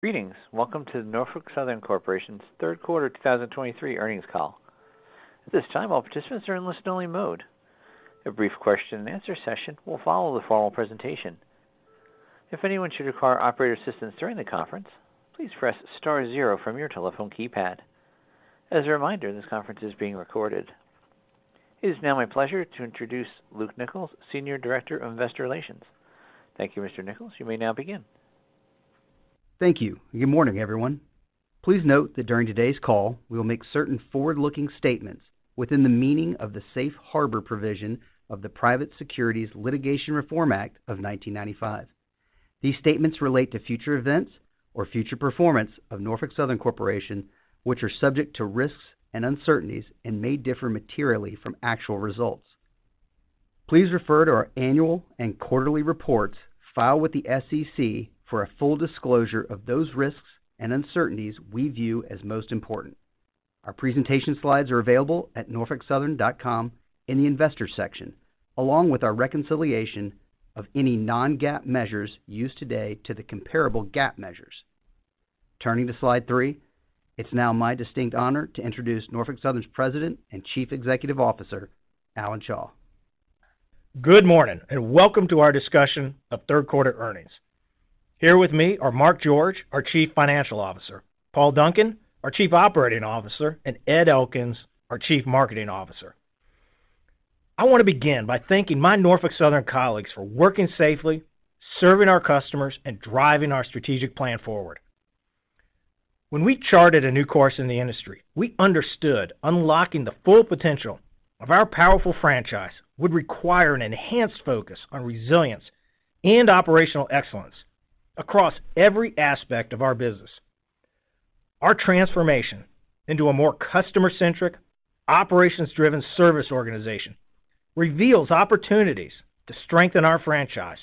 Greetings! Welcome to the Norfolk Southern Corporation's third quarter 2023 earnings call. At this time, all participants are in listen-only mode. A brief question-and-answer session will follow the formal presentation. If anyone should require operator assistance during the conference, please press star zero from your telephone keypad. As a reminder, this conference is being recorded. It is now my pleasure to introduce Luke Nichols, Senior Director of Investor Relations. Thank you, Mr. Nichols. You may now begin. Thank you. Good morning, everyone. Please note that during today's call, we will make certain forward-looking statements within the meaning of the safe harbor provision of the Private Securities Litigation Reform Act of 1995. These statements relate to future events or future performance of Norfolk Southern Corporation, which are subject to risks and uncertainties and may differ materially from actual results. Please refer to our annual and quarterly reports filed with the SEC for a full disclosure of those risks and uncertainties we view as most important. Our presentation slides are available at norfolksouthern.com in the Investors section, along with our reconciliation of any non-GAAP measures used today to the comparable GAAP measures. Turning to slide three, it's now my distinct honor to introduce Norfolk Southern's President and Chief Executive Officer, Alan Shaw. Good morning, and welcome to our discussion of third quarter earnings. Here with me are Mark George, our Chief Financial Officer, Paul Duncan, our Chief Operating Officer, and Ed Elkins, our Chief Marketing Officer. I want to begin by thanking my Norfolk Southern colleagues for working safely, serving our customers, and driving our strategic plan forward. When we charted a new course in the industry, we understood unlocking the full potential of our powerful franchise would require an enhanced focus on resilience and operational excellence across every aspect of our business. Our transformation into a more customer-centric, operations-driven service organization reveals opportunities to strengthen our franchise.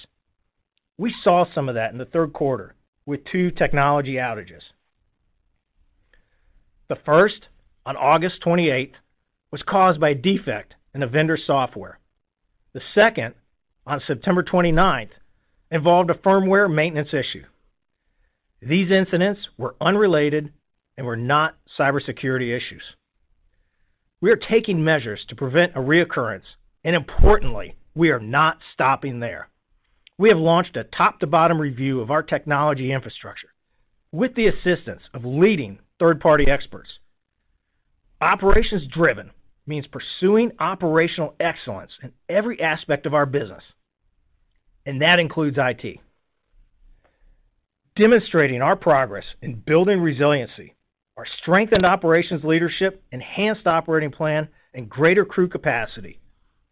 We saw some of that in the third quarter with two technology outages. The first, on August 28, was caused by a defect in the vendor software. The second, on September 29, involved a firmware maintenance issue. These incidents were unrelated and were not cybersecurity issues. We are taking measures to prevent a reoccurrence, and importantly, we are not stopping there. We have launched a top-to-bottom review of our technology infrastructure with the assistance of leading third-party experts. Operations-driven means pursuing operational excellence in every aspect of our business, and that includes IT. Demonstrating our progress in building resiliency, our strengthened operations leadership, enhanced operating plan, and greater crew capacity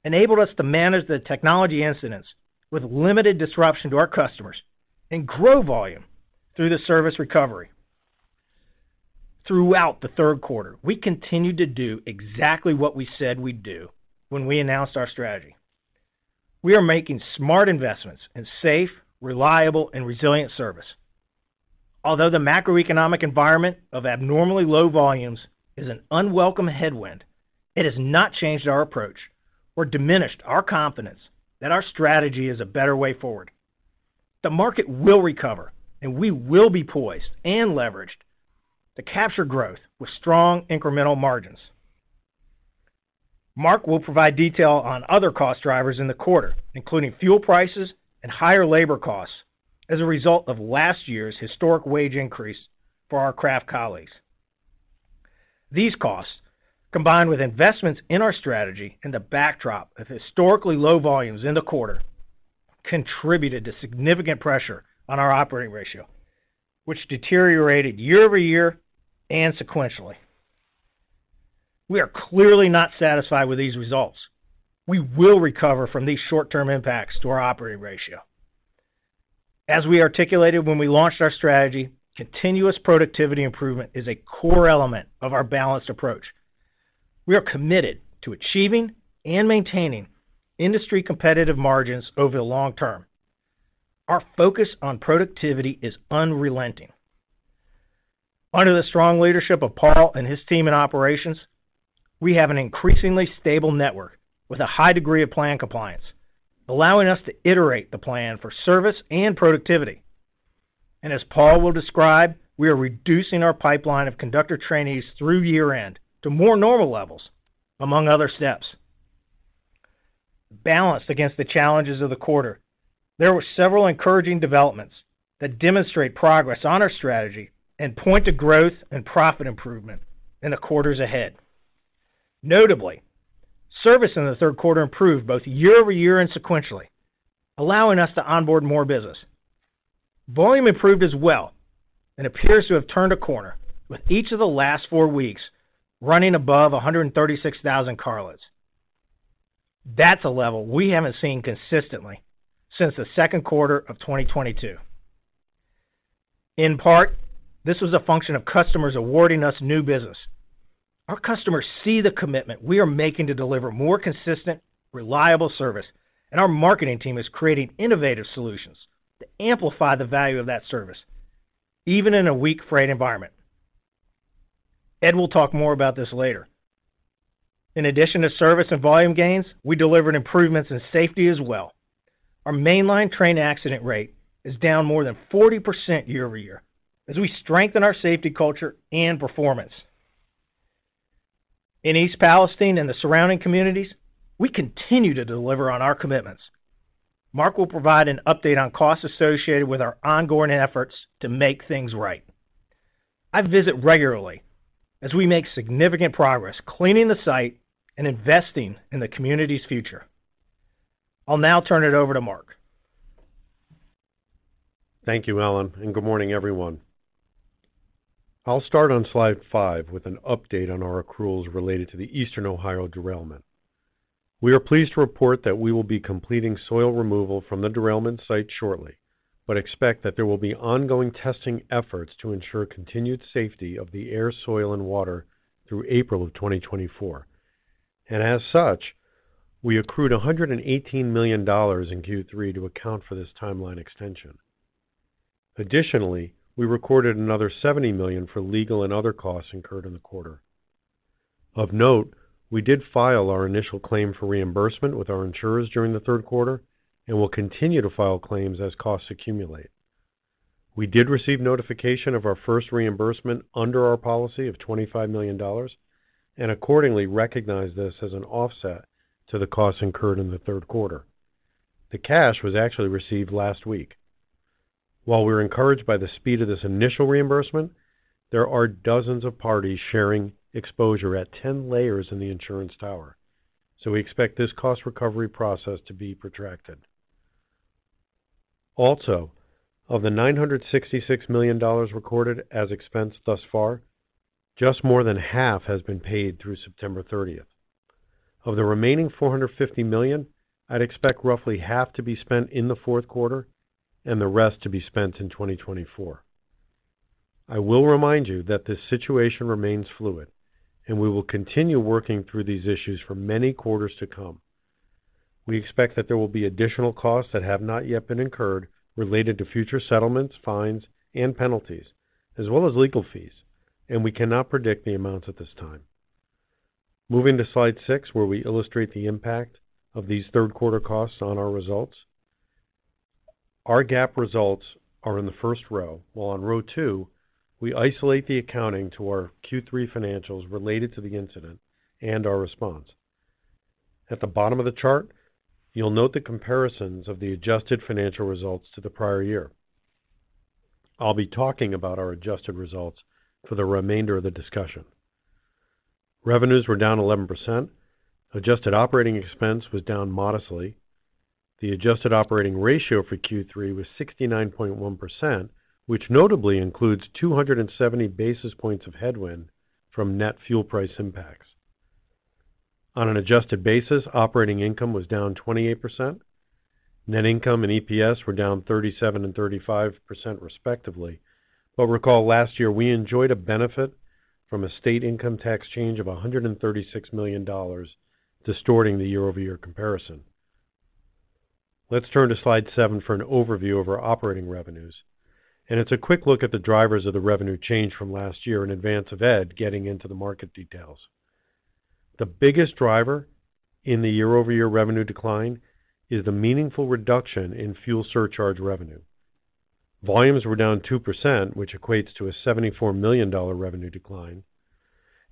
enabled us to manage the technology incidents with limited disruption to our customers and grow volume through the service recovery. Throughout the third quarter, we continued to do exactly what we said we'd do when we announced our strategy. We are making smart investments in safe, reliable, and resilient service. Although the macroeconomic environment of abnormally low volumes is an unwelcome headwind, it has not changed our approach or diminished our confidence that our strategy is a better way forward. The market will recover, and we will be poised and leveraged to capture growth with strong incremental margins. Mark will provide detail on other cost drivers in the quarter, including fuel prices and higher labor costs as a result of last year's historic wage increase for our craft colleagues. These costs, combined with investments in our strategy and the backdrop of historically low volumes in the quarter, contributed to significant pressure on our operating ratio, which deteriorated year-over-year and sequentially. We are clearly not satisfied with these results. We will recover from these short-term impacts to our operating ratio. As we articulated when we launched our strategy, continuous productivity improvement is a core element of our balanced approach. We are committed to achieving and maintaining industry-competitive margins over the long term. Our focus on productivity is unrelenting. Under the strong leadership of Paul and his team in operations, we have an increasingly stable network with a high degree of plan compliance, allowing us to iterate the plan for service and productivity. As Paul will describe, we are reducing our pipeline of conductor trainees through year-end to more normal levels, among other steps. Balanced against the challenges of the quarter, there were several encouraging developments that demonstrate progress on our strategy and point to growth and profit improvement in the quarters ahead. Notably, service in the third quarter improved both year-over-year and sequentially, allowing us to onboard more business. Volume improved as well and appears to have turned a corner, with each of the last four weeks running above 136,000 carloads. That's a level we haven't seen consistently since the second quarter of 2022. In part, this was a function of customers awarding us new business. Our customers see the commitment we are making to deliver more consistent, reliable service, and our marketing team is creating innovative solutions to amplify the value of that service, even in a weak freight environment... Ed will talk more about this later. In addition to service and volume gains, we delivered improvements in safety as well. Our mainline train accident rate is down more than 40% year-over-year, as we strengthen our safety culture and performance. In East Palestine and the surrounding communities, we continue to deliver on our commitments. Mark will provide an update on costs associated with our ongoing efforts to make things right. I visit regularly as we make significant progress cleaning the site and investing in the community's future. I'll now turn it over to Mark. Thank you, Alan, and good morning, everyone. I'll start on slide five with an update on our accruals related to the Eastern Ohio derailment. We are pleased to report that we will be completing soil removal from the derailment site shortly, but expect that there will be ongoing testing efforts to ensure continued safety of the air, soil, and water through April of 2024. As such, we accrued $118 million in Q3 to account for this timeline extension. Additionally, we recorded another $70 million for legal and other costs incurred in the quarter. Of note, we did file our initial claim for reimbursement with our insurers during the third quarter and will continue to file claims as costs accumulate. We did receive notification of our first reimbursement under our policy of $25 million, and accordingly, recognized this as an offset to the costs incurred in the third quarter. The cash was actually received last week. While we're encouraged by the speed of this initial reimbursement, there are dozens of parties sharing exposure at 10 layers in the insurance tower, so we expect this cost recovery process to be protracted. Also, of the $966 million recorded as expense thus far, just more than half has been paid through September thirtieth. Of the remaining $450 million, I'd expect roughly half to be spent in the fourth quarter and the rest to be spent in 2024. I will remind you that this situation remains fluid and we will continue working through these issues for many quarters to come. We expect that there will be additional costs that have not yet been incurred related to future settlements, fines, and penalties, as well as legal fees, and we cannot predict the amounts at this time. Moving to slide six, where we illustrate the impact of these third-quarter costs on our results. Our GAAP results are in the first row, while on row two, we isolate the accounting to our Q3 financials related to the incident and our response. At the bottom of the chart, you'll note the comparisons of the adjusted financial results to the prior year. I'll be talking about our adjusted results for the remainder of the discussion. Revenues were down 11%. Adjusted operating expense was down modestly. The adjusted operating ratio for Q3 was 69.1%, which notably includes 270 basis points of headwind from net fuel price impacts. On an adjusted basis, operating income was down 28%. Net income and EPS were down 37% and 35%, respectively. But recall last year, we enjoyed a benefit from a state income tax change of $136 million, distorting the year-over-year comparison. Let's turn to slide seven for an overview of our operating revenues, and it's a quick look at the drivers of the revenue change from last year in advance of Ed getting into the market details. The biggest driver in the year-over-year revenue decline is the meaningful reduction in fuel surcharge revenue. Volumes were down 2%, which equates to a $74 million revenue decline,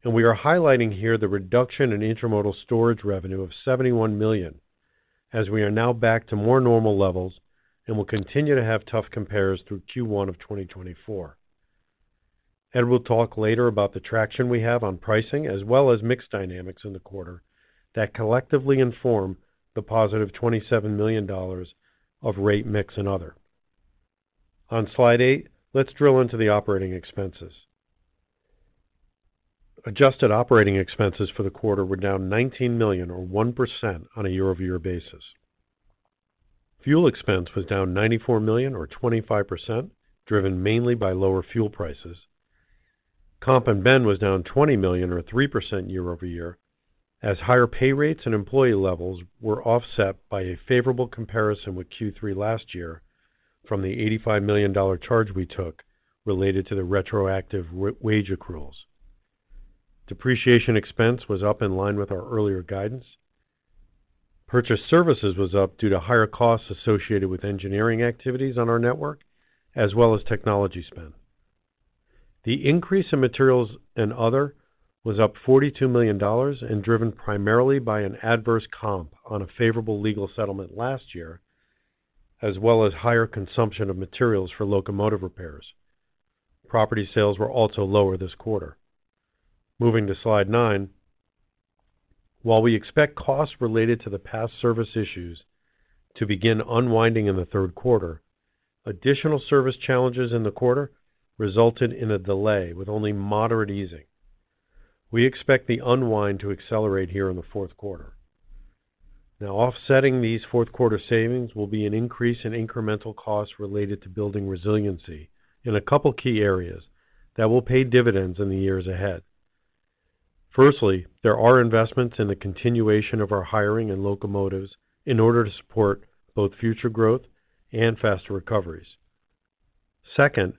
and we are highlighting here the reduction in intermodal storage revenue of $71 million, as we are now back to more normal levels and will continue to have tough compares through Q1 of 2024. Ed will talk later about the traction we have on pricing as well as mix dynamics in the quarter that collectively inform the positive $27 million of rate mix and other. On slide eight, let's drill into the operating expenses. Adjusted operating expenses for the quarter were down $19 million or 1% on a year-over-year basis. Fuel expense was down $94 million or 25%, driven mainly by lower fuel prices. Comp and ben was down $20 million or 3% year-over-year, as higher pay rates and employee levels were offset by a favorable comparison with Q3 last year from the $85 million charge we took related to the retroactive wage accruals. Depreciation expense was up in line with our earlier guidance. Purchased services was up due to higher costs associated with engineering activities on our network, as well as technology spend. The increase in materials and other was up $42 million and driven primarily by an adverse comp on a favorable legal settlement last year, as well as higher consumption of materials for locomotive repairs. Property sales were also lower this quarter. Moving to slide nine. While we expect costs related to the past service issues to begin unwinding in the third quarter, additional service challenges in the quarter resulted in a delay with only moderate easing. We expect the unwind to accelerate here in the fourth quarter. Now, offsetting these fourth-quarter savings will be an increase in incremental costs related to building resiliency in a couple of key areas that will pay dividends in the years ahead....Firstly, there are investments in the continuation of our hiring and locomotives in order to support both future growth and faster recoveries. Second,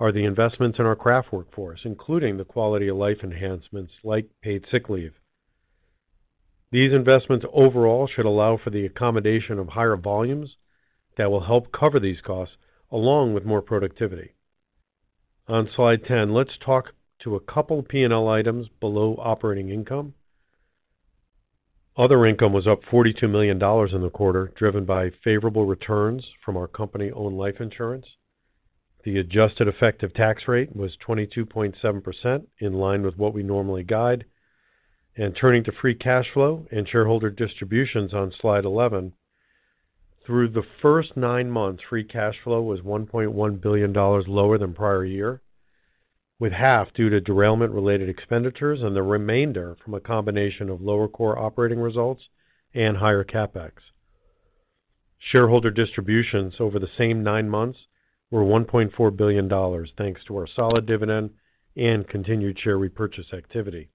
are the investments in our craft workforce, including the quality of life enhancements like paid sick leave. These investments overall should allow for the accommodation of higher volumes that will help cover these costs, along with more productivity. On slide 10, let's talk to a couple P&L items below operating income. Other income was up $42 million in the quarter, driven by favorable returns from our company-owned life insurance. The adjusted effective tax rate was 22.7%, in line with what we normally guide. Turning to free cash flow and shareholder distributions on slide 11. Through the first nine months, free cash flow was $1.1 billion lower than prior year, with half due to derailment-related expenditures and the remainder from a combination of lower core operating results and higher CapEx. Shareholder distributions over the same nine months were $1.4 billion, thanks to our solid dividend and continued share repurchase activity.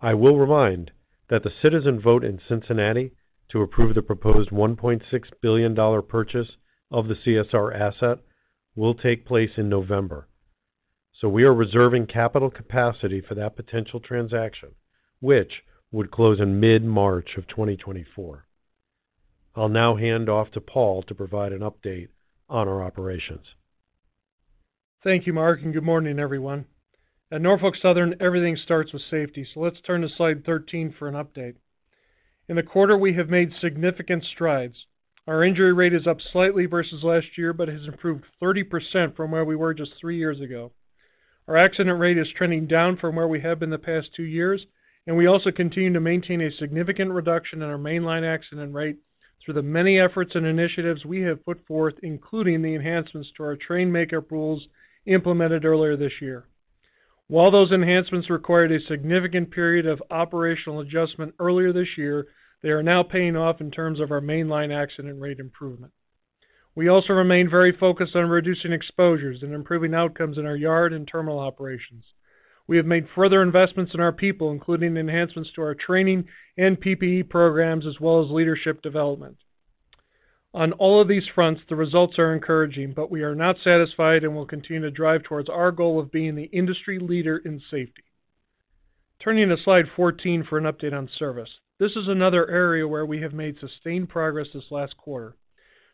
I will remind that the citizen vote in Cincinnati to approve the proposed $1.6 billion purchase of the CSR asset will take place in November. So we are reserving capital capacity for that potential transaction, which would close in mid-March of 2024. I'll now hand off to Paul to provide an update on our operations. Thank you, Mark, and good morning, everyone. At Norfolk Southern, everything starts with safety, so let's turn to slide 13 for an update. In the quarter, we have made significant strides. Our injury rate is up slightly versus last year, but has improved 30% from where we were just three years ago. Our accident rate is trending down from where we have been the past two years, and we also continue to maintain a significant reduction in our mainline accident rate through the many efforts and initiatives we have put forth, including the enhancements to our train makeup rules implemented earlier this year. While those enhancements required a significant period of operational adjustment earlier this year, they are now paying off in terms of our mainline accident rate improvement. We also remain very focused on reducing exposures and improving outcomes in our yard and terminal operations. We have made further investments in our people, including enhancements to our training and PPE programs, as well as leadership development. On all of these fronts, the results are encouraging, but we are not satisfied and will continue to drive towards our goal of being the industry leader in safety. Turning to slide 14 for an update on service. This is another area where we have made sustained progress this last quarter.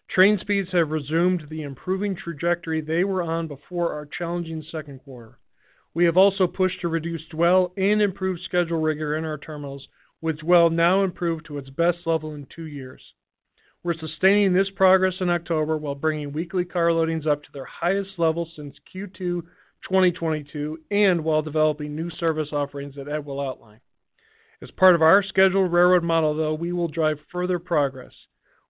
Train speeds have resumed the improving trajectory they were on before our challenging second quarter. We have also pushed to reduce dwell and improve schedule rigor in our terminals, with dwell now improved to its best level in two years. We're sustaining this progress in October while bringing weekly car loadings up to their highest level since Q2 2022, and while developing new service offerings that Ed will outline. As part of our scheduled railroad model, though, we will drive further progress.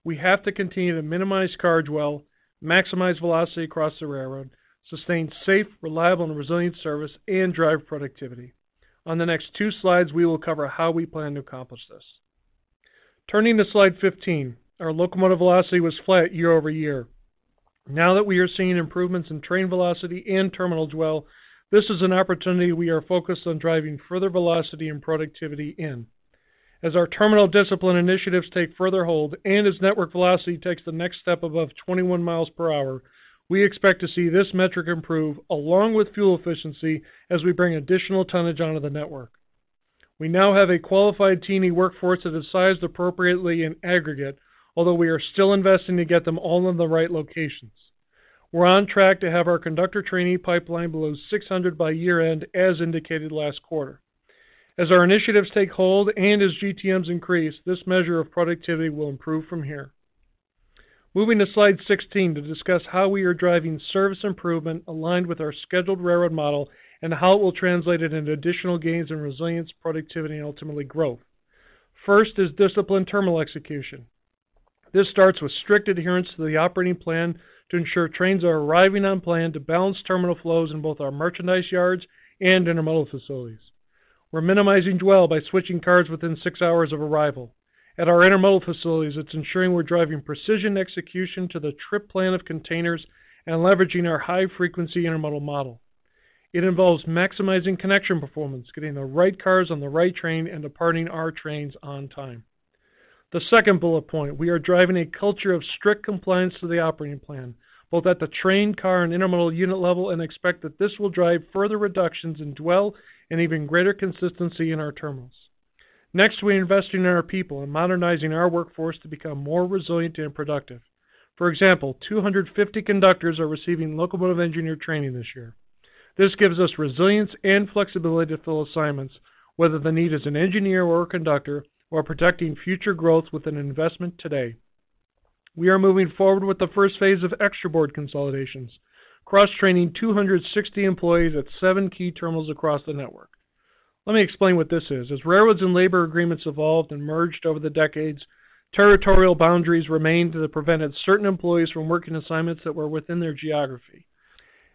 We have to continue to minimize car dwell, maximize velocity across the railroad, sustain safe, reliable, and resilient service, and drive productivity. On the next two slides, we will cover how we plan to accomplish this. Turning to slide 15, our locomotive velocity was flat year-over-year. Now that we are seeing improvements in train velocity and terminal dwell, this is an opportunity we are focused on driving further velocity and productivity in. As our terminal discipline initiatives take further hold and as network velocity takes the next step above 21 miles per hour, we expect to see this metric improve, along with fuel efficiency, as we bring additional tonnage onto the network. We now have a qualified teaming workforce that is sized appropriately in aggregate, although we are still investing to get them all in the right locations. We're on track to have our conductor trainee pipeline below 600 by year-end, as indicated last quarter. As our initiatives take hold and as GTMs increase, this measure of productivity will improve from here. Moving to slide 16 to discuss how we are driving service improvement aligned with our scheduled railroad model and how it will translate it into additional gains in resilience, productivity, and ultimately, growth. First is disciplined terminal execution. This starts with strict adherence to the operating plan to ensure trains are arriving on plan to balance terminal flows in both our merchandise yards and intermodal facilities. We're minimizing dwell by switching cars within 6 hours of arrival. At our intermodal facilities, it's ensuring we're driving precision execution to the trip plan of containers and leveraging our high-frequency intermodal model. It involves maximizing connection performance, getting the right cars on the right train, and departing our trains on time. The second bullet point, we are driving a culture of strict compliance to the operating plan, both at the train, car, and intermodal unit level, and expect that this will drive further reductions in dwell and even greater consistency in our terminals. Next, we are investing in our people and modernizing our workforce to become more resilient and productive. For example, 250 conductors are receiving locomotive engineer training this year. This gives us resilience and flexibility to fill assignments, whether the need is an engineer or a conductor, while protecting future growth with an investment today. We are moving forward with the first phase of extra board consolidations, cross-training 260 employees at seven key terminals across the network. Let me explain what this is. As railroads and labor agreements evolved and merged over the decades, territorial boundaries remained that prevented certain employees from working assignments that were within their geography.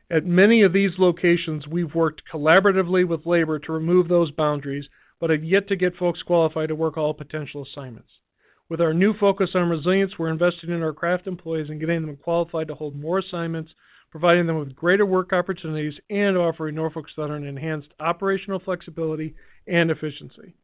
At many of these locations, we've worked collaboratively with labor to remove those boundaries, but have yet to get folks qualified to work all potential assignments. With our new focus on resilience, we're investing in our craft employees and getting them qualified to hold more assignments, providing them with greater work opportunities, and offering Norfolk Southern enhanced operational flexibility and efficiency.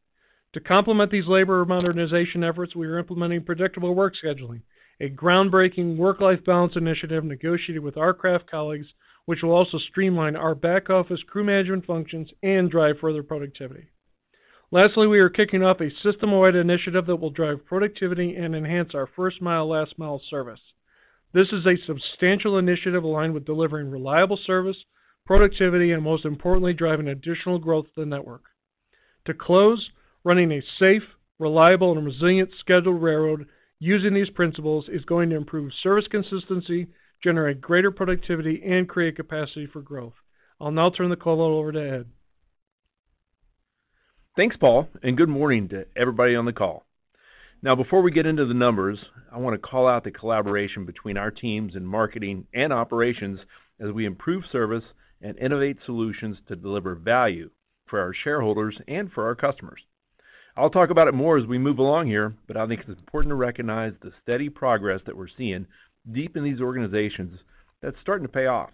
To complement these labor modernization efforts, we are implementing predictable work scheduling, a groundbreaking work-life balance initiative negotiated with our craft colleagues, which will also streamline our back office crew management functions and drive further productivity. Lastly, we are kicking off a system-wide initiative that will drive productivity and enhance our first mile, last mile service. This is a substantial initiative aligned with delivering reliable service, productivity, and most importantly, driving additional growth to the network. To close, running a safe, reliable, and resilient scheduled railroad using these principles is going to improve service consistency, generate greater productivity, and create capacity for growth. I'll now turn the call over to Ed. Thanks, Paul, and good morning to everybody on the call. Now, before we get into the numbers, I want to call out the collaboration between our teams in marketing and operations as we improve service and innovate solutions to deliver value for our shareholders and for our customers. I'll talk about it more as we move along here, but I think it's important to recognize the steady progress that we're seeing deep in these organizations that's starting to pay off.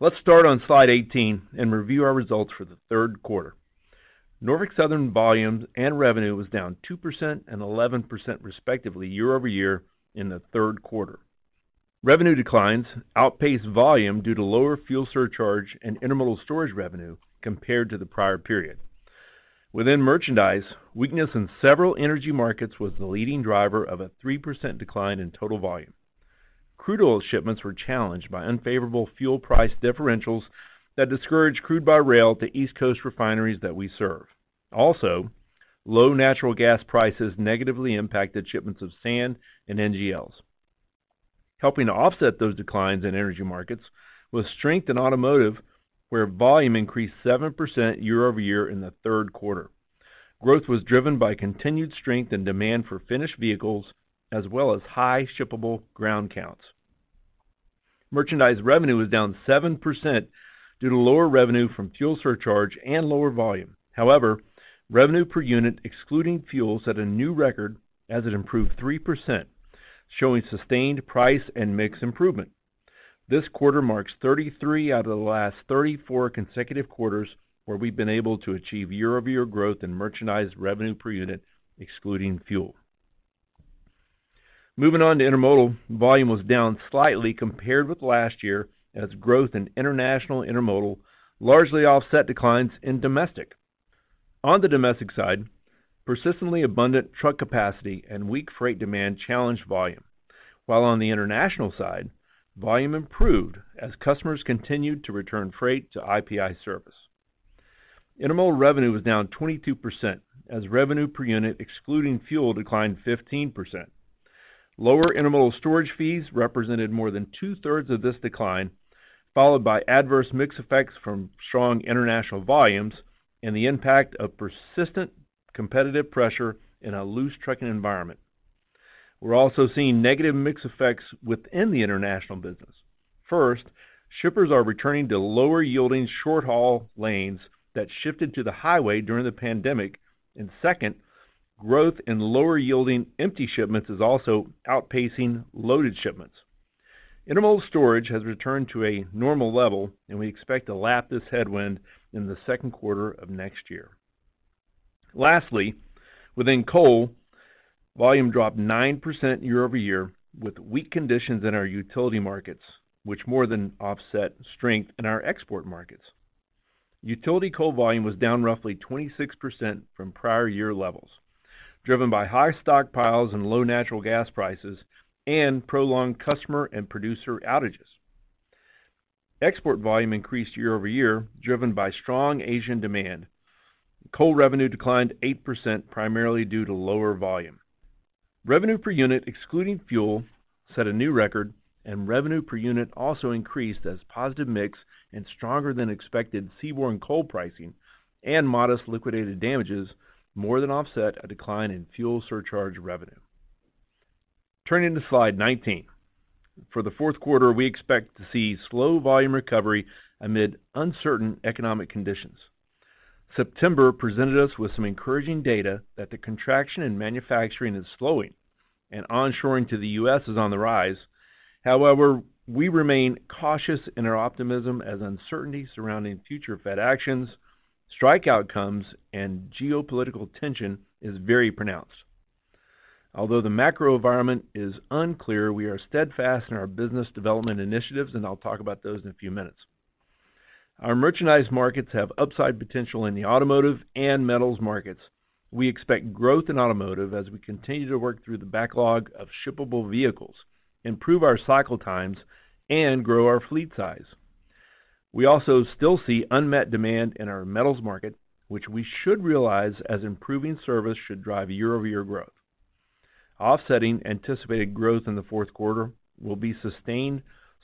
Let's start on slide 18 and review our results for the third quarter. Norfolk Southern volumes and revenue was down 2% and 11%, respectively, year-over-year in the third quarter. Revenue declines outpaced volume due to lower fuel surcharge and intermodal storage revenue compared to the prior period. Within merchandise, weakness in several energy markets was the leading driver of a 3% decline in total volume. Crude oil shipments were challenged by unfavorable fuel price differentials that discouraged crude by rail to East Coast refineries that we serve. Also, low natural gas prices negatively impacted shipments of sand and NGLs. Helping to offset those declines in energy markets was strength in automotive, where volume increased 7% year-over-year in the third quarter. Growth was driven by continued strength and demand for finished vehicles, as well as high shippable ground counts. Merchandise revenue was down 7% due to lower revenue from fuel surcharge and lower volume. However, revenue per unit, excluding fuels, set a new record as it improved 3%, showing sustained price and mix improvement. This quarter marks 33 out of the last 34 consecutive quarters where we've been able to achieve year-over-year growth in merchandise revenue per unit, excluding fuel. Moving on to intermodal, volume was down slightly compared with last year as growth in international intermodal largely offset declines in domestic. On the domestic side, persistently abundant truck capacity and weak freight demand challenged volume, while on the international side, volume improved as customers continued to return freight to IPI service. Intermodal revenue was down 22%, as revenue per unit, excluding fuel, declined 15%. Lower intermodal storage fees represented more than two-thirds of this decline, followed by adverse mix effects from strong international volumes and the impact of persistent competitive pressure in a loose trucking environment. We're also seeing negative mix effects within the international business. First, shippers are returning to lower-yielding short-haul lanes that shifted to the highway during the pandemic. And second, growth in lower-yielding empty shipments is also outpacing loaded shipments. Intermodal storage has returned to a normal level, and we expect to lap this headwind in the second quarter of next year. Lastly, within coal, volume dropped 9% year-over-year, with weak conditions in our utility markets, which more than offset strength in our export markets. Utility coal volume was down roughly 26% from prior year levels, driven by high stockpiles and low natural gas prices, and prolonged customer and producer outages. Export volume increased year-over-year, driven by strong Asian demand. Coal revenue declined 8%, primarily due to lower volume. Revenue per unit, excluding fuel, set a new record, and revenue per unit also increased as positive mix and stronger than expected seaborne coal pricing and modest liquidated damages more than offset a decline in fuel surcharge revenue. Turning to Slide 19. For the fourth quarter, we expect to see slow volume recovery amid uncertain economic conditions. September presented us with some encouraging data that the contraction in manufacturing is slowing and onshoring to the U.S. is on the rise. However, we remain cautious in our optimism as uncertainty surrounding future Fed actions, strike outcomes, and geopolitical tension is very pronounced. Although the macro environment is unclear, we are steadfast in our business development initiatives, and I'll talk about those in a few minutes. Our merchandise markets have upside potential in the automotive and metals markets. We expect growth in automotive as we continue to work through the backlog of shippable vehicles, improve our cycle times, and grow our fleet size. We also still see unmet demand in our metals market, which we should realize as improving service should drive year-over-year growth. Offsetting anticipated growth in the fourth quarter will be sustained,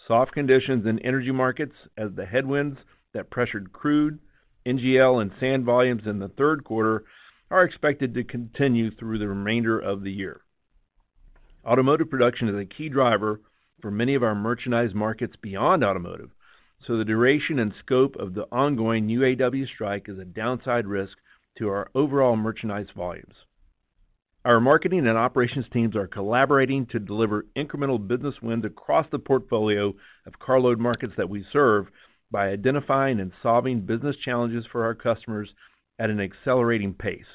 soft conditions in energy markets as the headwinds that pressured crude, NGL, and sand volumes in the third quarter are expected to continue through the remainder of the year. Automotive production is a key driver for many of our merchandised markets beyond automotive, so the duration and scope of the ongoing UAW strike is a downside risk to our overall merchandise volumes. Our marketing and operations teams are collaborating to deliver incremental business wins across the portfolio of carload markets that we serve by identifying and solving business challenges for our customers at an accelerating pace.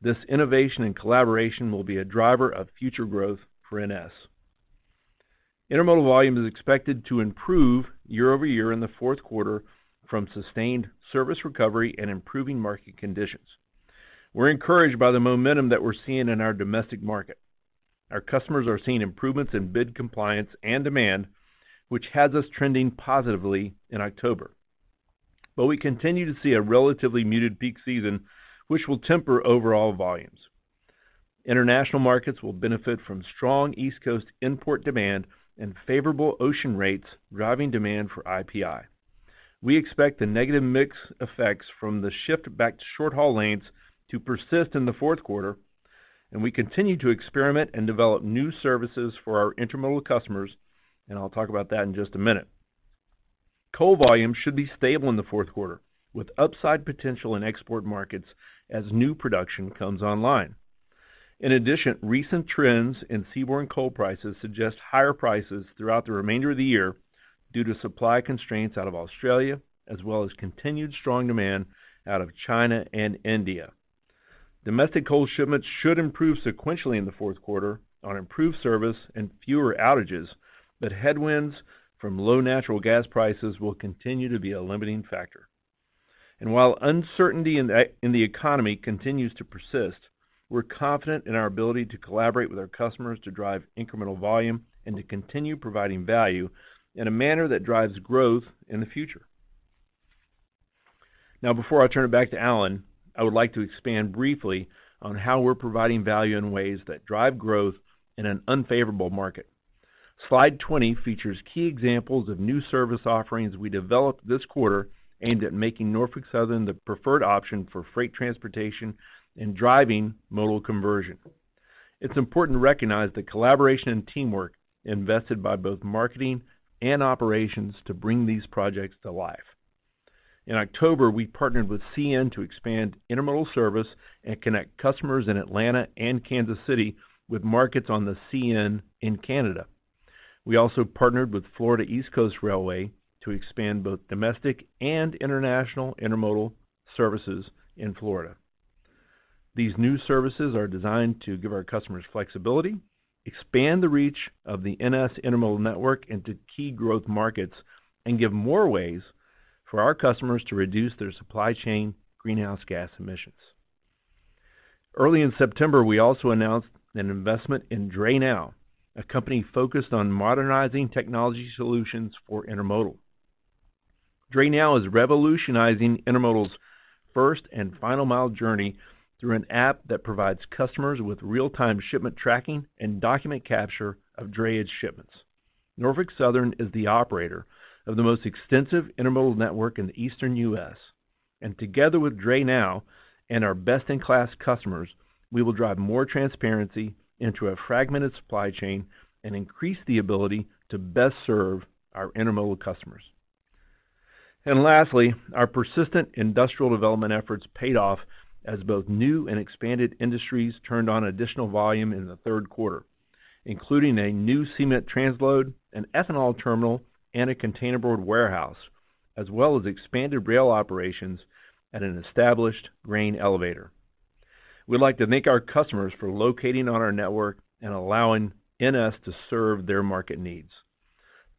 This innovation and collaboration will be a driver of future growth for NS. Intermodal volume is expected to improve year-over-year in the fourth quarter from sustained service recovery and improving market conditions. We're encouraged by the momentum that we're seeing in our domestic market. Our customers are seeing improvements in bid compliance and demand, which has us trending positively in October. But we continue to see a relatively muted peak season, which will temper overall volumes. International markets will benefit from strong East Coast import demand and favorable ocean rates, driving demand for IPI. We expect the negative mix effects from the shift back to short-haul lanes to persist in the fourth quarter, and we continue to experiment and develop new services for our intermodal customers, and I'll talk about that in just a minute. Coal volumes should be stable in the fourth quarter, with upside potential in export markets as new production comes online. In addition, recent trends in seaborne coal prices suggest higher prices throughout the remainder of the year due to supply constraints out of Australia, as well as continued strong demand out of China and India. Domestic coal shipments should improve sequentially in the fourth quarter on improved service and fewer outages, but headwinds from low natural gas prices will continue to be a limiting factor. And while uncertainty in the economy continues to persist, we're confident in our ability to collaborate with our customers to drive incremental volume and to continue providing value in a manner that drives growth in the future. Now, before I turn it back to Alan, I would like to expand briefly on how we're providing value in ways that drive growth in an unfavorable market. Slide 20 features key examples of new service offerings we developed this quarter, aimed at making Norfolk Southern the preferred option for freight transportation and driving modal conversion. It's important to recognize the collaboration and teamwork invested by both marketing and operations to bring these projects to life. In October, we partnered with CN to expand intermodal service and connect customers in Atlanta and Kansas City with markets on the CN in Canada. We also partnered with Florida East Coast Railway to expand both domestic and international intermodal services in Florida. These new services are designed to give our customers flexibility, expand the reach of the NS intermodal network into key growth markets, and give more ways for our customers to reduce their supply chain greenhouse gas emissions. Early in September, we also announced an investment in DrayNow, a company focused on modernizing technology solutions for intermodal. DrayNow is revolutionizing intermodal's first and final mile journey through an app that provides customers with real-time shipment tracking and document capture of drayage shipments. Norfolk Southern is the operator of the most extensive intermodal network in the Eastern U.S., and together with DrayNow and our best-in-class customers, we will drive more transparency into a fragmented supply chain and increase the ability to best serve our intermodal customers. And lastly, our persistent industrial development efforts paid off as both new and expanded industries turned on additional volume in the third quarter, including a new cement transload, an ethanol terminal, and a containerboard warehouse, as well as expanded rail operations at an established grain elevator. We'd like to thank our customers for locating on our network and allowing NS to serve their market needs.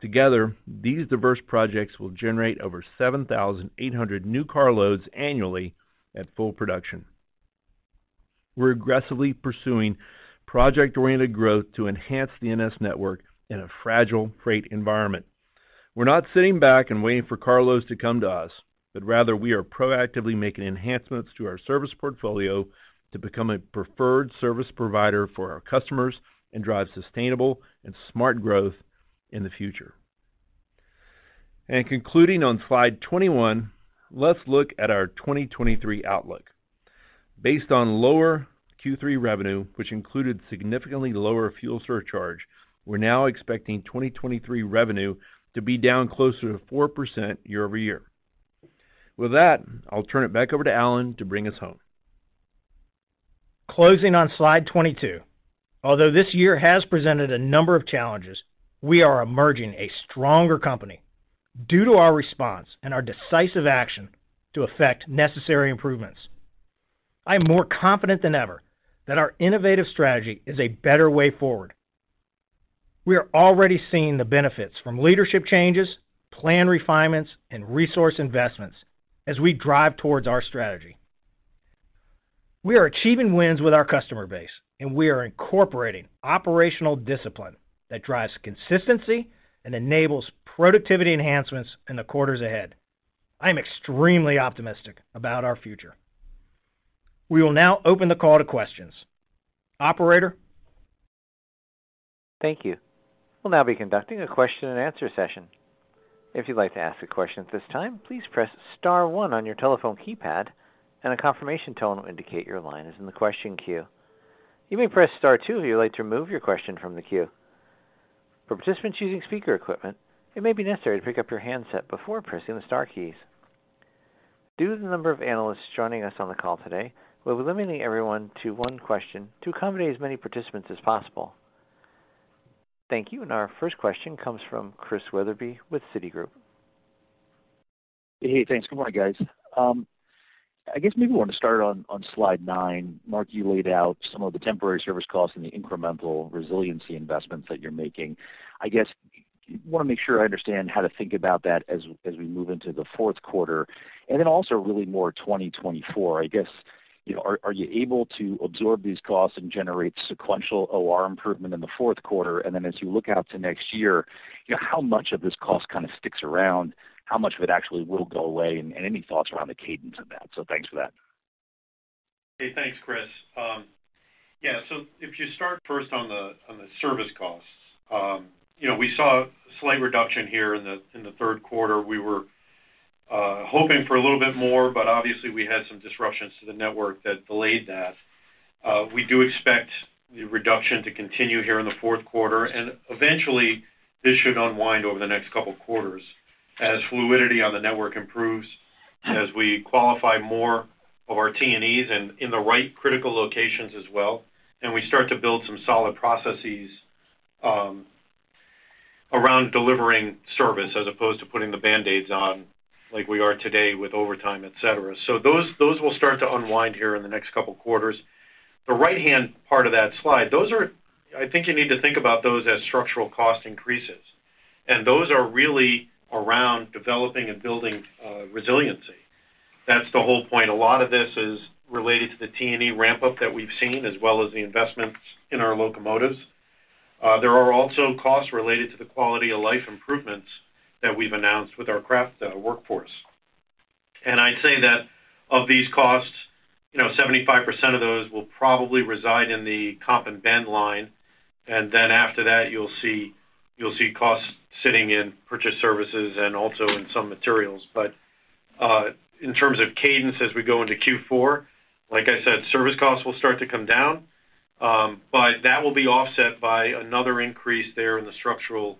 Together, these diverse projects will generate over 7,800 new carloads annually at full production. We're aggressively pursuing project-oriented growth to enhance the NS network in a fragile freight environment. We're not sitting back and waiting for carloads to come to us, but rather, we are proactively making enhancements to our service portfolio to become a preferred service provider for our customers and drive sustainable and smart growth in the future. Concluding on slide 21, let's look at our 2023 outlook. Based on lower Q3 revenue, which included significantly lower fuel surcharge, we're now expecting 2023 revenue to be down closer to 4% year-over-year. With that, I'll turn it back over to Alan to bring us home. Closing on slide 22. Although this year has presented a number of challenges, we are emerging a stronger company due to our response and our decisive action to effect necessary improvements. I am more confident than ever that our innovative strategy is a better way forward. We are already seeing the benefits from leadership changes, plan refinements, and resource investments as we drive towards our strategy. We are achieving wins with our customer base, and we are incorporating operational discipline that drives consistency and enables productivity enhancements in the quarters ahead. I am extremely optimistic about our future. We will now open the call to questions. Operator? Thank you. We'll now be conducting a question and answer session... If you'd like to ask a question at this time, please press star one on your telephone keypad, and a confirmation tone will indicate your line is in the question queue. You may press star two if you'd like to remove your question from the queue. For participants using speaker equipment, it may be necessary to pick up your handset before pressing the star keys. Due to the number of analysts joining us on the call today, we'll be limiting everyone to one question to accommodate as many participants as possible. Thank you, and our first question comes from Chris Wetherbee with Citigroup. Hey, thanks. Good morning, guys. I guess maybe we want to start on, on slide 9. Mark, you laid out some of the temporary service costs and the incremental resiliency investments that you're making. I guess want to make sure I understand how to think about that as, as we move into the fourth quarter, and then also really more 2024. I guess, you know, are, are you able to absorb these costs and generate sequential OR improvement in the fourth quarter? And then as you look out to next year, you know, how much of this cost kind of sticks around? How much of it actually will go away? And, and any thoughts around the cadence of that. So thanks for that. Hey, thanks, Chris. Yeah, so if you start first on the service costs, you know, we saw a slight reduction here in the third quarter. We were hoping for a little bit more, but obviously, we had some disruptions to the network that delayed that. We do expect the reduction to continue here in the fourth quarter, and eventually, this should unwind over the next couple of quarters as fluidity on the network improves, as we qualify more of our T&Es and in the right critical locations as well, and we start to build some solid processes around delivering service as opposed to putting the band-aids on like we are today with overtime, et cetera. So those will start to unwind here in the next couple of quarters. The right-hand part of that slide, those are—I think you need to think about those as structural cost increases, and those are really around developing and building resiliency. That's the whole point. A lot of this is related to the T&E ramp-up that we've seen, as well as the investments in our locomotives. There are also costs related to the quality of life improvements that we've announced with our craft workforce. And I'd say that of these costs, you know, 75% of those will probably reside in the comp and benefits line, and then after that, you'll see, you'll see costs sitting in purchase services and also in some materials. But, in terms of cadence as we go into Q4, like I said, service costs will start to come down, but that will be offset by another increase there in the structural,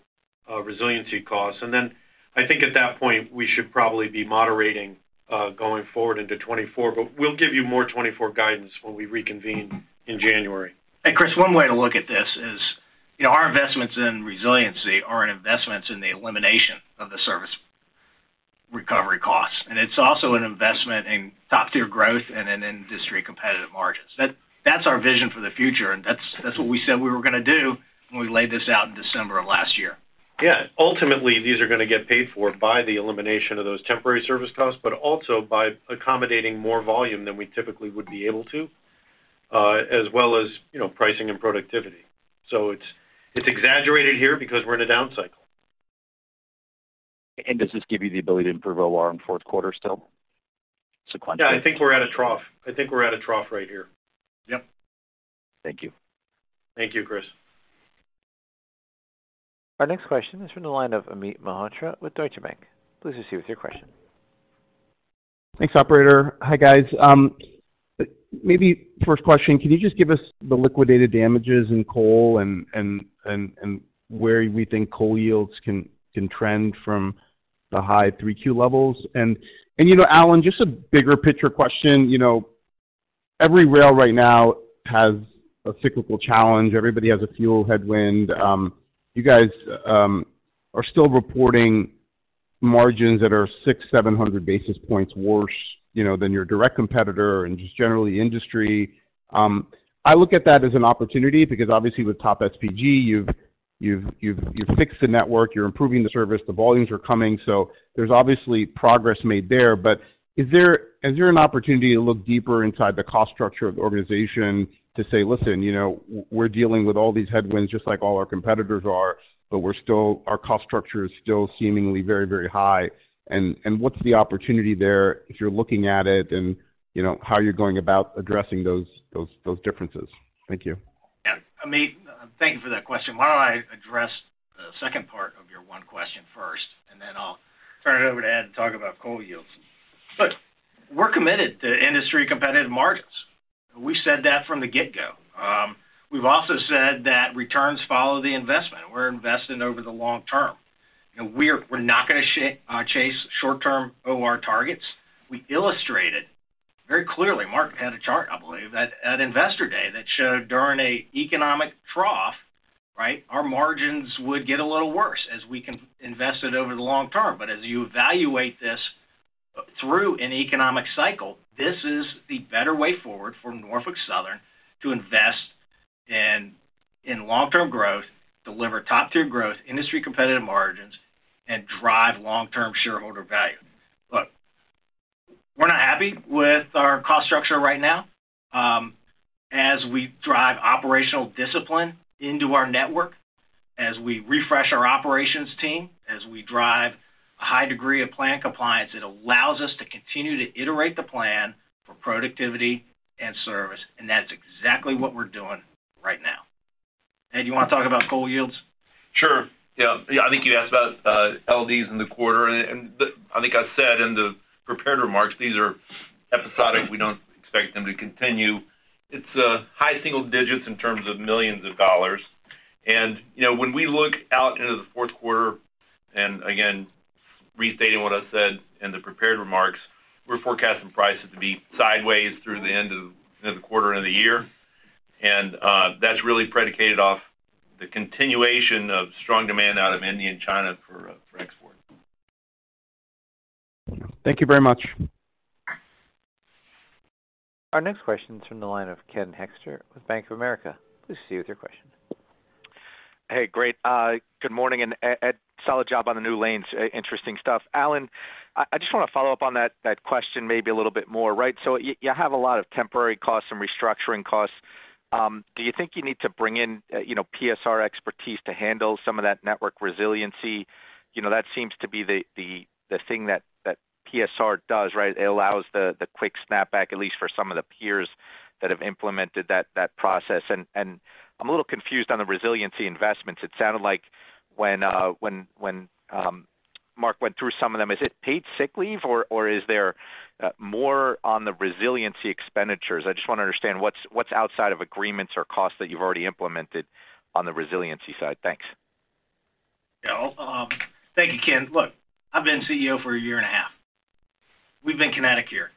resiliency costs. And then I think at that point, we should probably be moderating, going forward into 2024, but we'll give you more 2024 guidance when we reconvene in January. Chris, one way to look at this is, you know, our investments in resiliency are investments in the elimination of the service recovery costs, and it's also an investment in top-tier growth and in industry competitive margins. That, that's our vision for the future, and that's, that's what we said we were gonna do when we laid this out in December of last year. Yeah, ultimately, these are gonna get paid for by the elimination of those temporary service costs, but also by accommodating more volume than we typically would be able to, as well as, you know, pricing and productivity. So it's exaggerated here because we're in a down cycle. Does this give you the ability to improve OR in fourth quarter still, sequentially? Yeah, I think we're at a trough. I think we're at a trough right here. Yep. Thank you. Thank you, Chris. Our next question is from the line of Amit Mehrotra with Deutsche Bank. Please proceed with your question. Thanks, operator. Hi, guys. Maybe first question, can you just give us the liquidated damages in coal and where we think coal yields can trend from the high 3Q levels? And, you know, Alan, just a bigger picture question, you know, every rail right now has a cyclical challenge. Everybody has a fuel headwind. You guys are still reporting margins that are 600-700 basis points worse, you know, than your direct competitor and just generally industry. I look at that as an opportunity because obviously with TOP SPG, you've fixed the network, you're improving the service, the volumes are coming, so there's obviously progress made there. But is there an opportunity to look deeper inside the cost structure of the organization to say: Listen, you know, we're dealing with all these headwinds just like all our competitors are, but we're still, our cost structure is still seemingly very, very high, and what's the opportunity there if you're looking at it and, you know, how you're going about addressing those differences? Thank you. Yeah, Amit, thank you for that question. Why don't I address the second part of your one question first, and then I'll turn it over to Ed to talk about coal yields. Look, we're committed to industry competitive margins. We said that from the get-go. We've also said that returns follow the investment. We're investing over the long term, and we're not gonna chase short-term OR targets. We illustrated very clearly, Mark had a chart, I believe, at Investor Day that showed during a economic trough, right, our margins would get a little worse as we can invest it over the long term. But as you evaluate this through an economic cycle, this is the better way forward for Norfolk Southern to invest in long-term growth, deliver top-tier growth, industry competitive margins, and drive long-term shareholder value. Look, we're not happy with our cost structure right now. As we drive operational discipline into our network, as we refresh our operations team, as we drive a high degree of plan compliance, it allows us to continue to iterate the plan for productivity and service, and that's exactly what we're doing right now... Ed, you want to talk about coal yields? Sure. Yeah, yeah, I think you asked about LDs in the quarter, and the. I think I said in the prepared remarks, these are episodic. We don't expect them to continue. It's high single digits in terms of $ millions. And, you know, when we look out into the fourth quarter, and again, restating what I said in the prepared remarks, we're forecasting prices to be sideways through the end of the quarter and the year. And that's really predicated off the continuation of strong demand out of India and China for export. Thank you very much. Our next question is from the line of Ken Hoexter with Bank of America. Please proceed with your question. Hey, great. Good morning, and solid job on the new lanes, interesting stuff. Alan, I just want to follow up on that question maybe a little bit more, right? So you have a lot of temporary costs and restructuring costs. Do you think you need to bring in, you know, PSR expertise to handle some of that network resiliency? You know, that seems to be the thing that PSR does, right? It allows the quick snapback, at least for some of the peers that have implemented that process. And I'm a little confused on the resiliency investments. It sounded like when Mark went through some of them, is it paid sick leave, or is there more on the resiliency expenditures? I just want to understand what's outside of agreements or costs that you've already implemented on the resiliency side. Thanks. Yeah, thank you, Ken. Look, I've been CEO for a year and a half. We've been kinetic here.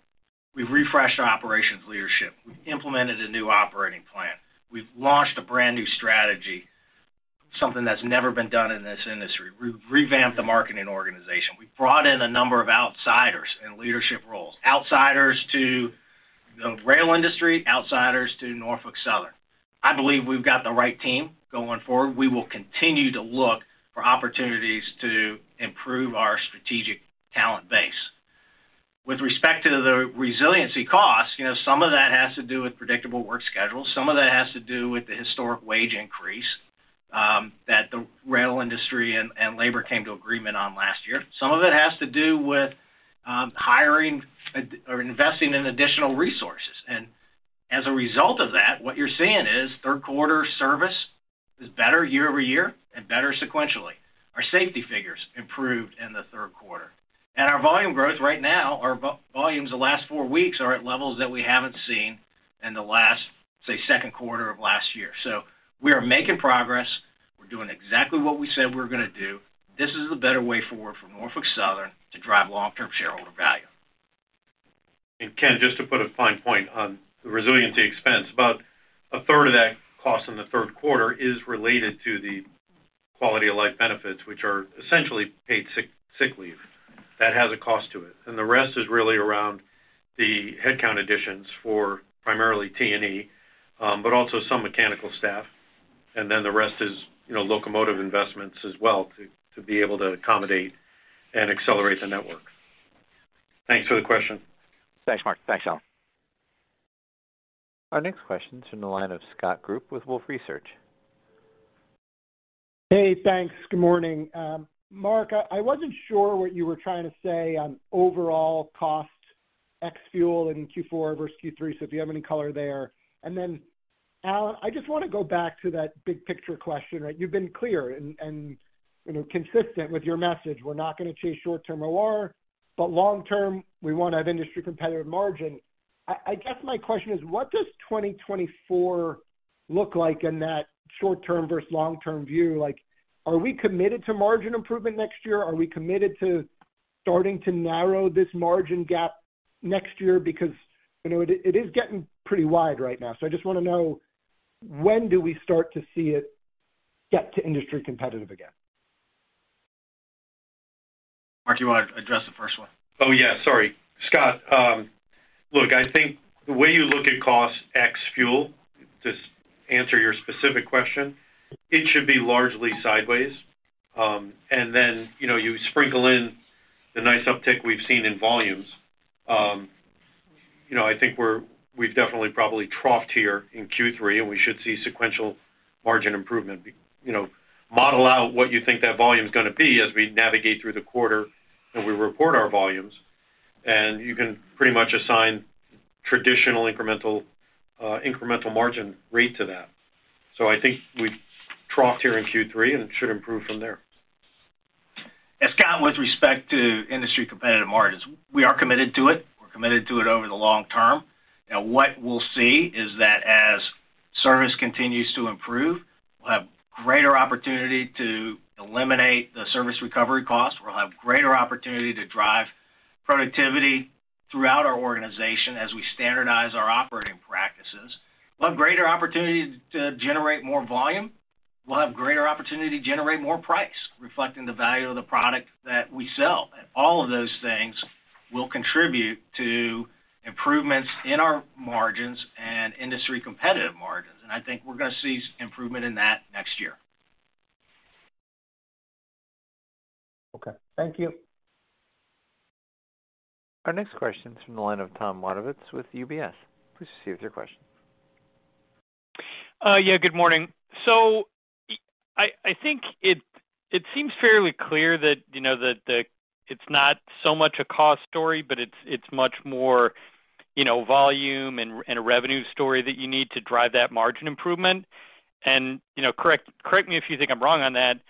We've refreshed our operations leadership. We've implemented a new operating plan. We've launched a brand-new strategy, something that's never been done in this industry. We've revamped the marketing organization. We've brought in a number of outsiders in leadership roles, outsiders to the rail industry, outsiders to Norfolk Southern. I believe we've got the right team going forward. We will continue to look for opportunities to improve our strategic talent base. With respect to the resiliency costs, you know, some of that has to do with predictable work schedules. Some of that has to do with the historic wage increase that the rail industry and labor came to agreement on last year. Some of it has to do with hiring or investing in additional resources. And as a result of that, what you're seeing is third quarter service is better year-over-year and better sequentially. Our safety figures improved in the third quarter, and our volume growth right now, our volumes the last four weeks are at levels that we haven't seen in the last, say, second quarter of last year. So we are making progress. We're doing exactly what we said we were gonna do. This is the better way forward for Norfolk Southern to drive long-term shareholder value. And Ken, just to put a fine point on the resiliency expense, about a third of that cost in the third quarter is related to the quality of life benefits, which are essentially paid sick leave. That has a cost to it. And the rest is really around the headcount additions for primarily T&E, but also some mechanical staff. And then the rest is, you know, locomotive investments as well, to be able to accommodate and accelerate the network. Thanks for the question. Thanks, Mark. Thanks, Alan. Our next question is from the line of Scott Group with Wolfe Research. Hey, thanks. Good morning. Mark, I wasn't sure what you were trying to say on overall cost, ex-fuel in Q4 versus Q3, so do you have any color there? And then, Alan, I just want to go back to that big picture question, right? You've been clear and you know, consistent with your message, we're not going to chase short-term OR, but long term, we want to have industry competitive margin. I guess my question is: What does 2024 look like in that short-term versus long-term view? Like, are we committed to margin improvement next year? Are we committed to starting to narrow this margin gap next year? Because, you know, it is getting pretty wide right now. So I just want to know, when do we start to see it get to industry competitive again? Mark, do you want to address the first one? Oh, yeah, sorry. Scott, look, I think the way you look at cost, ex-fuel, to answer your specific question, it should be largely sideways. And then, you know, you sprinkle in the nice uptick we've seen in volumes. You know, I think we've definitely probably troughed here in Q3, and we should see sequential margin improvement. You know, model out what you think that volume is gonna be as we navigate through the quarter, and we report our volumes, and you can pretty much assign traditional incremental, incremental margin rate to that. So I think we troughed here in Q3, and it should improve from there. And Scott, with respect to industry competitive margins, we are committed to it. We're committed to it over the long term. Now, what we'll see is that as service continues to improve, we'll have greater opportunity to eliminate the service recovery costs. We'll have greater opportunity to drive productivity throughout our organization as we standardize our operating practices. We'll have greater opportunity to generate more volume. We'll have greater opportunity to generate more price, reflecting the value of the product that we sell. And all of those things will contribute to improvements in our margins and industry competitive margins, and I think we're gonna see improvement in that next year. Okay, thank you. Our next question is from the line of Tom Wadewitz with UBS. Please proceed with your question. Yeah, good morning. So I think it seems fairly clear that, you know, the it's not so much a cost story, but it's much more, you know, volume and a revenue story that you need to drive that margin improvement. And, you know, correct me if you think I'm wrong on that.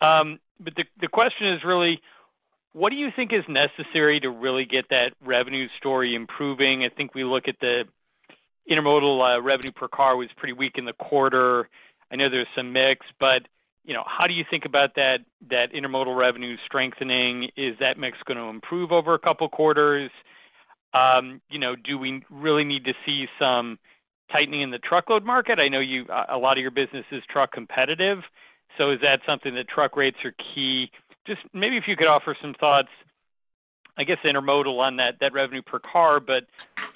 But the question is really, what do you think is necessary to really get that revenue story improving? I think we look at the intermodal revenue per car was pretty weak in the quarter. I know there's some mix, but, you know, how do you think about that intermodal revenue strengthening? Is that mix gonna improve over a couple of quarters? You know, do we really need to see some tightening in the truckload market? I know you, a lot of your business is truck competitive, so is that something that truck rates are key? Just maybe if you could offer some thoughts, I guess, intermodal on that, that revenue per car, but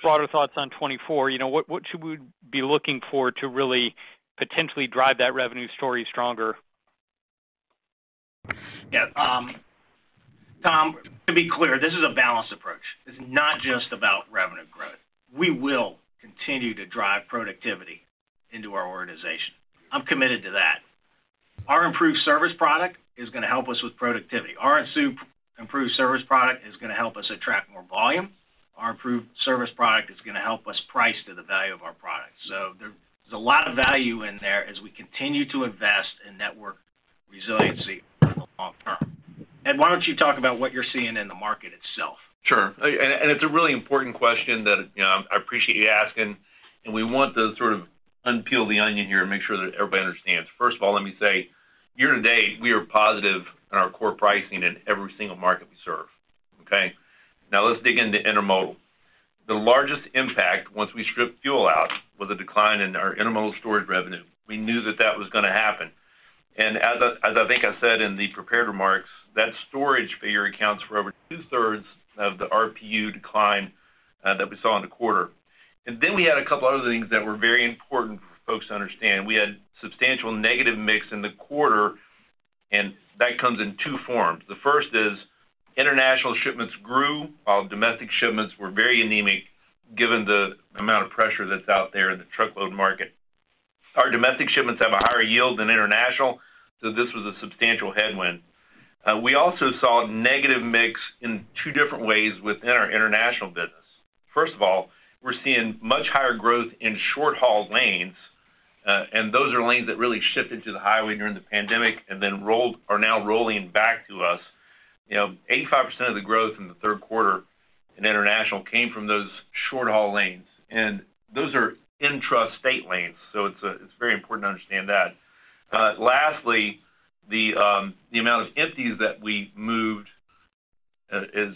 broader thoughts on 2024. You know, what, what should we be looking for to really potentially drive that revenue story stronger? Yeah, Tom, to be clear, this is a balanced approach. It's not just about revenue growth. We will continue to drive productivity into our organization. I'm committed to that. Our improved service product is gonna help us with productivity. Our improved service product is gonna help us attract more volume. Our improved service product is gonna help us price to the value of our product. So there's a lot of value in there as we continue to invest in network resiliency for the long term. Ed, why don't you talk about what you're seeing in the market itself? Sure. And it's a really important question that, you know, I appreciate you asking, and we want to sort of unpeel the onion here and make sure that everybody understands. First of all, let me say, year to date, we are positive in our core pricing in every single market we serve, okay? Now, let's dig into intermodal. The largest impact, once we strip fuel out, was a decline in our intermodal storage revenue. We knew that that was gonna happen. And as I think I said in the prepared remarks, that storage figure accounts for over two-thirds of the RPU decline that we saw in the quarter. And then we had a couple of other things that were very important for folks to understand. We had substantial negative mix in the quarter, and that comes in two forms. The first is, international shipments grew, while domestic shipments were very anemic, given the amount of pressure that's out there in the truckload market. Our domestic shipments have a higher yield than international, so this was a substantial headwind. We also saw negative mix in two different ways within our international business. First of all, we're seeing much higher growth in short-haul lanes, and those are lanes that really shifted to the highway during the pandemic and then are now rolling back to us. You know, 85% of the growth in the third quarter in international came from those short-haul lanes, and those are intrastate lanes, so it's very important to understand that. Lastly, the amount of empties that we moved is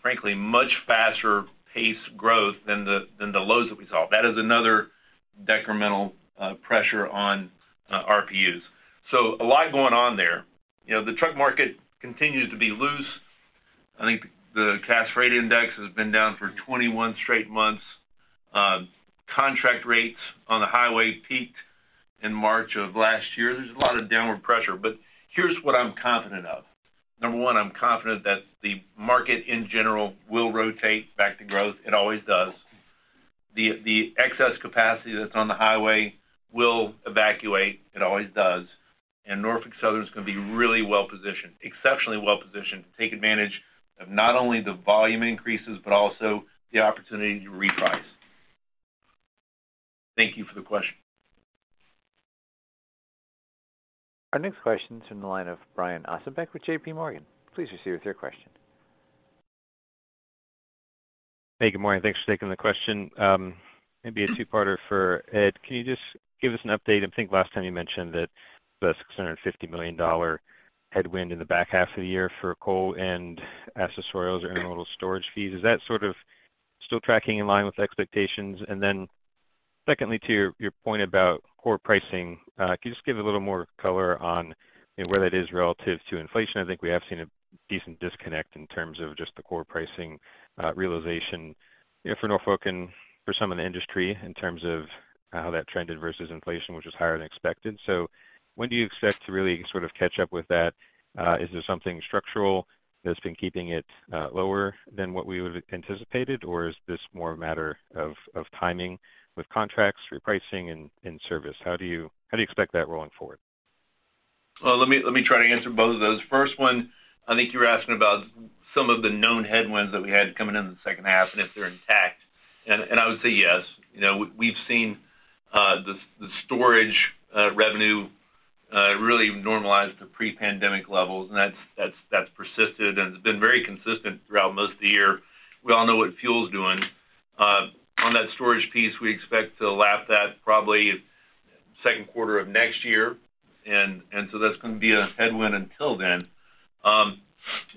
frankly much faster pace growth than the loads that we saw. That is another decremental pressure on RPUs. So a lot going on there. You know, the truck market continues to be loose. I think the Cass Rate Index has been down for 21 straight months. Contract rates on the highway peaked in March of last year. There's a lot of downward pressure, but here's what I'm confident of. Number one, I'm confident that the market, in general, will rotate back to growth. It always does. The excess capacity that's on the highway will evacuate. It always does. And Norfolk Southern is gonna be really well-positioned, exceptionally well-positioned, to take advantage of not only the volume increases, but also the opportunity to reprice. Thank you for the question. Our next question is from the line of Brian Ossenbeck with J.P. Morgan. Please proceed with your question. Hey, good morning. Thanks for taking the question. Maybe a two-parter for Ed. Can you just give us an update? I think last time you mentioned that the $650 million headwind in the back half of the year for coal and accessorials or intermodal storage fees is that sort of still tracking in line with expectations? And then secondly, to your point about core pricing, can you just give a little more color on, you know, where that is relative to inflation? I think we have seen a decent disconnect in terms of just the core pricing realization, you know, for Norfolk and for some of the industry in terms of how that trended versus inflation, which is higher than expected. So when do you expect to really sort of catch up with that? Is this something structural that's been keeping it lower than what we would have anticipated, or is this more a matter of timing with contracts, repricing, and service? How do you expect that rolling forward? Well, let me try to answer both of those. First one, I think you were asking about some of the known headwinds that we had coming in the second half and if they're intact. And I would say yes. You know, we've seen the storage revenue really normalize to pre-pandemic levels, and that's persisted, and it's been very consistent throughout most of the year. We all know what fuel is doing. On that storage piece, we expect to lap that probably second quarter of next year, and so that's gonna be a headwind until then.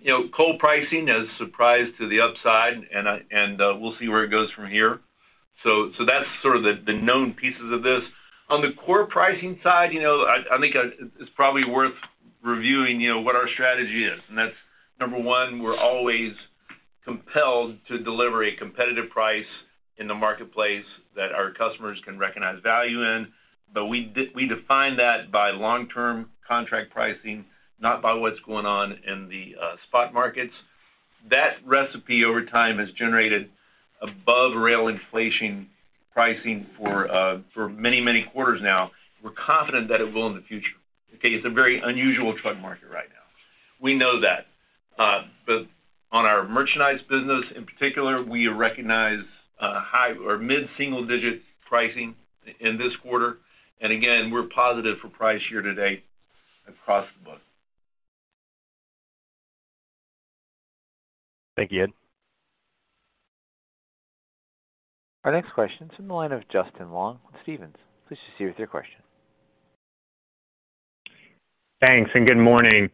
You know, coal pricing has surprised to the upside, and we'll see where it goes from here. So that's sort of the known pieces of this. On the core pricing side, you know, I think it's probably worth reviewing, you know, what our strategy is, and that's number one, we're always compelled to deliver a competitive price in the marketplace that our customers can recognize value in. But we define that by long-term contract pricing, not by what's going on in the spot markets. That recipe over time has generated above rail inflation pricing for many, many quarters now. We're confident that it will in the future. Okay, it's a very unusual truck market right now. We know that. But on our merchandise business in particular, we recognize high or mid-single-digit pricing in this quarter, and again, we're positive for price year-to-date across the board. Thank you, Ed. Our next question is from the line of Justin Long with Stephens. Please proceed with your question. Thanks, and good morning.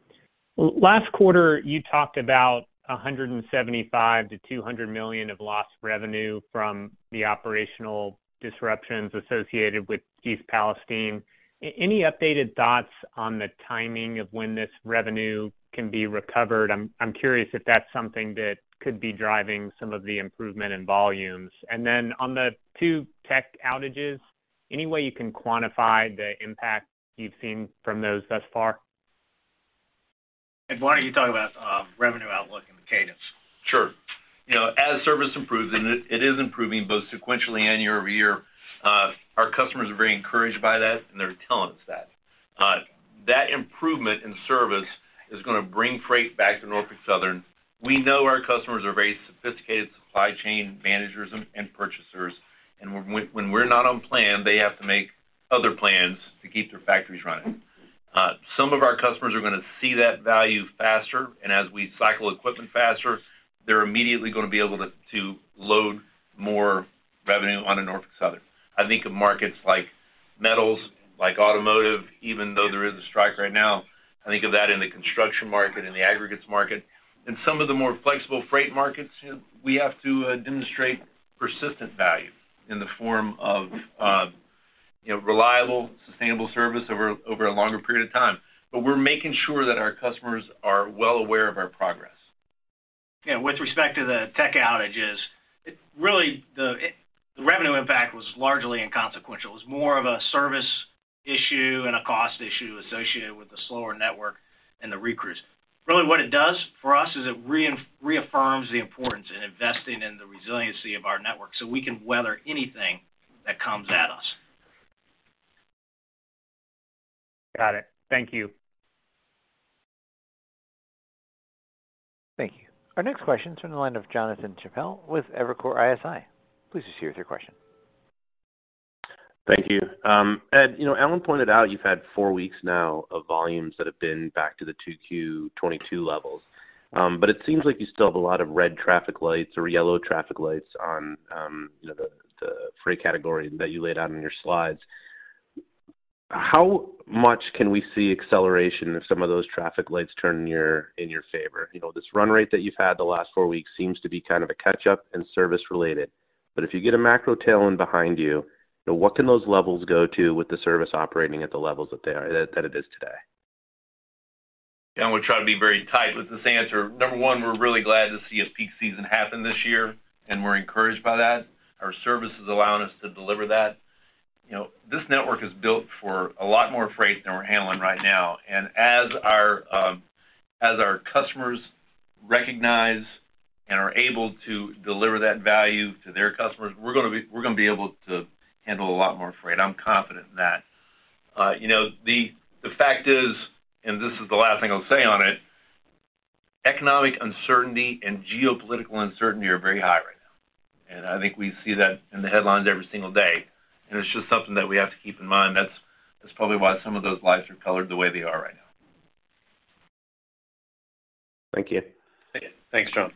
Last quarter, you talked about $175 million-$200 million of lost revenue from the operational disruptions associated with East Palestine. Any updated thoughts on the timing of when this revenue can be recovered? I'm, I'm curious if that's something that could be driving some of the improvement in volumes. And then on the two tech outages, any way you can quantify the impact you've seen from those thus far? Ed, why don't you talk about revenue outlook and the cadence? Sure. You know, as service improves, and it is improving both sequentially and year-over-year, our customers are very encouraged by that, and they're telling us that. That improvement in service is gonna bring freight back to Norfolk Southern. We know our customers are very sophisticated supply chain managers and purchasers, and when we're not on plan, they have to make other plans to keep their factories running. Some of our customers are gonna see that value faster, and as we cycle equipment faster, they're immediately gonna be able to load more revenue onto Norfolk Southern. I think of markets like metals, like automotive, even though there is a strike right now, I think of that in the construction market, in the aggregates market. In some of the more flexible freight markets, we have to demonstrate persistent value in the form of, you know, reliable, sustainable service over a longer period of time. But we're making sure that our customers are well aware of our progress. Yeah, with respect to the tech outages, really, the revenue impact was largely inconsequential. It was more of a service issue and a cost issue associated with the slower network and the recrews. Really, what it does for us is it reaffirms the importance in investing in the resiliency of our network, so we can weather anything that comes at us. Got it. Thank you. Thank you. Our next question is from the line of Jonathan Chappell with Evercore ISI. Please proceed with your question. Thank you. Ed, you know, Alan pointed out you've had 4 weeks now of volumes that have been back to the 2Q 2022 levels. But it seems like you still have a lot of red traffic lights or yellow traffic lights on, you know, the freight categories that you laid out in your slides. How much can we see acceleration if some of those traffic lights turn in your favor? You know, this run rate that you've had the last four weeks seems to be kind of a catch up and service related. But if you get a macro tailwind behind you, you know, what can those levels go to with the service operating at the levels that they are—that it is today? We'll try to be very tight with this answer. Number one, we're really glad to see a peak season happen this year, and we're encouraged by that. Our service is allowing us to deliver that. You know, this network is built for a lot more freight than we're handling right now, and as our, as our customers recognize and are able to deliver that value to their customers, we're gonna be, we're gonna be able to handle a lot more freight. I'm confident in that. You know, the fact is, and this is the last thing I'll say on it, economic uncertainty and geopolitical uncertainty are very high right now, and I think we see that in the headlines every single day. And it's just something that we have to keep in mind. That's probably why some of those lights are colored the way they are right now. Thank you. Thank you. Thanks, John.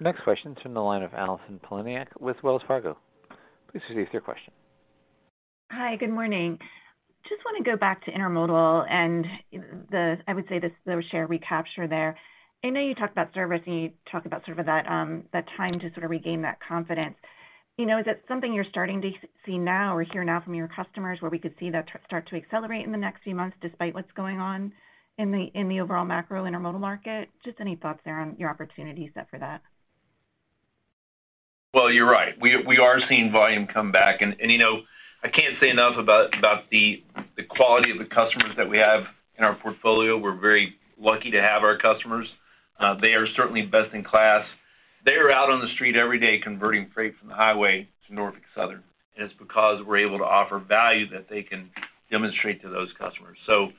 Our next question is from the line of Allison Poliniak with Wells Fargo. Please proceed with your question. Hi, good morning. Just want to go back to intermodal and the, I would say, the share recapture there. I know you talked about service, and you talked about sort of that, that time to sort of regain that confidence. You know, is that something you're starting to see now or hear now from your customers, where we could see that start to accelerate in the next few months, despite what's going on in the overall macro intermodal market? Just any thoughts there on your opportunity set for that. Well, you're right. We are seeing volume come back, and you know, I can't say enough about the quality of the customers that we have in our portfolio. We're very lucky to have our customers. They are certainly best in class. They are out on the street every day converting freight from the highway to Norfolk Southern, and it's because we're able to offer value that they can demonstrate to those customers. So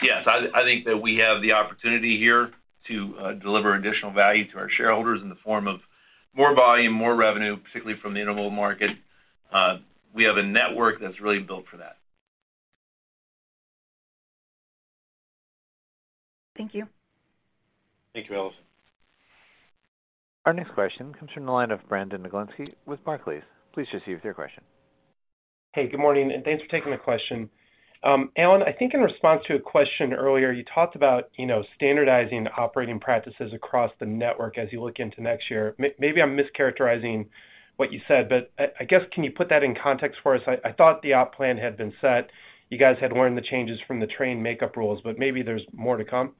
yes, I think that we have the opportunity here to deliver additional value to our shareholders in the form of more volume, more revenue, particularly from the intermodal market. We have a network that's really built for that. Thank you. Thank you, Allison. Our next question comes from the line of Brandon Oglenski with Barclays. Please proceed with your question. Hey, good morning, and thanks for taking the question. Alan, I think in response to a question earlier, you talked about, you know, standardizing operating practices across the network as you look into next year. Maybe I'm mischaracterizing what you said, but I guess, can you put that in context for us? I thought the op plan had been set. You guys had learned the changes from the train makeup rules, but maybe there's more to come?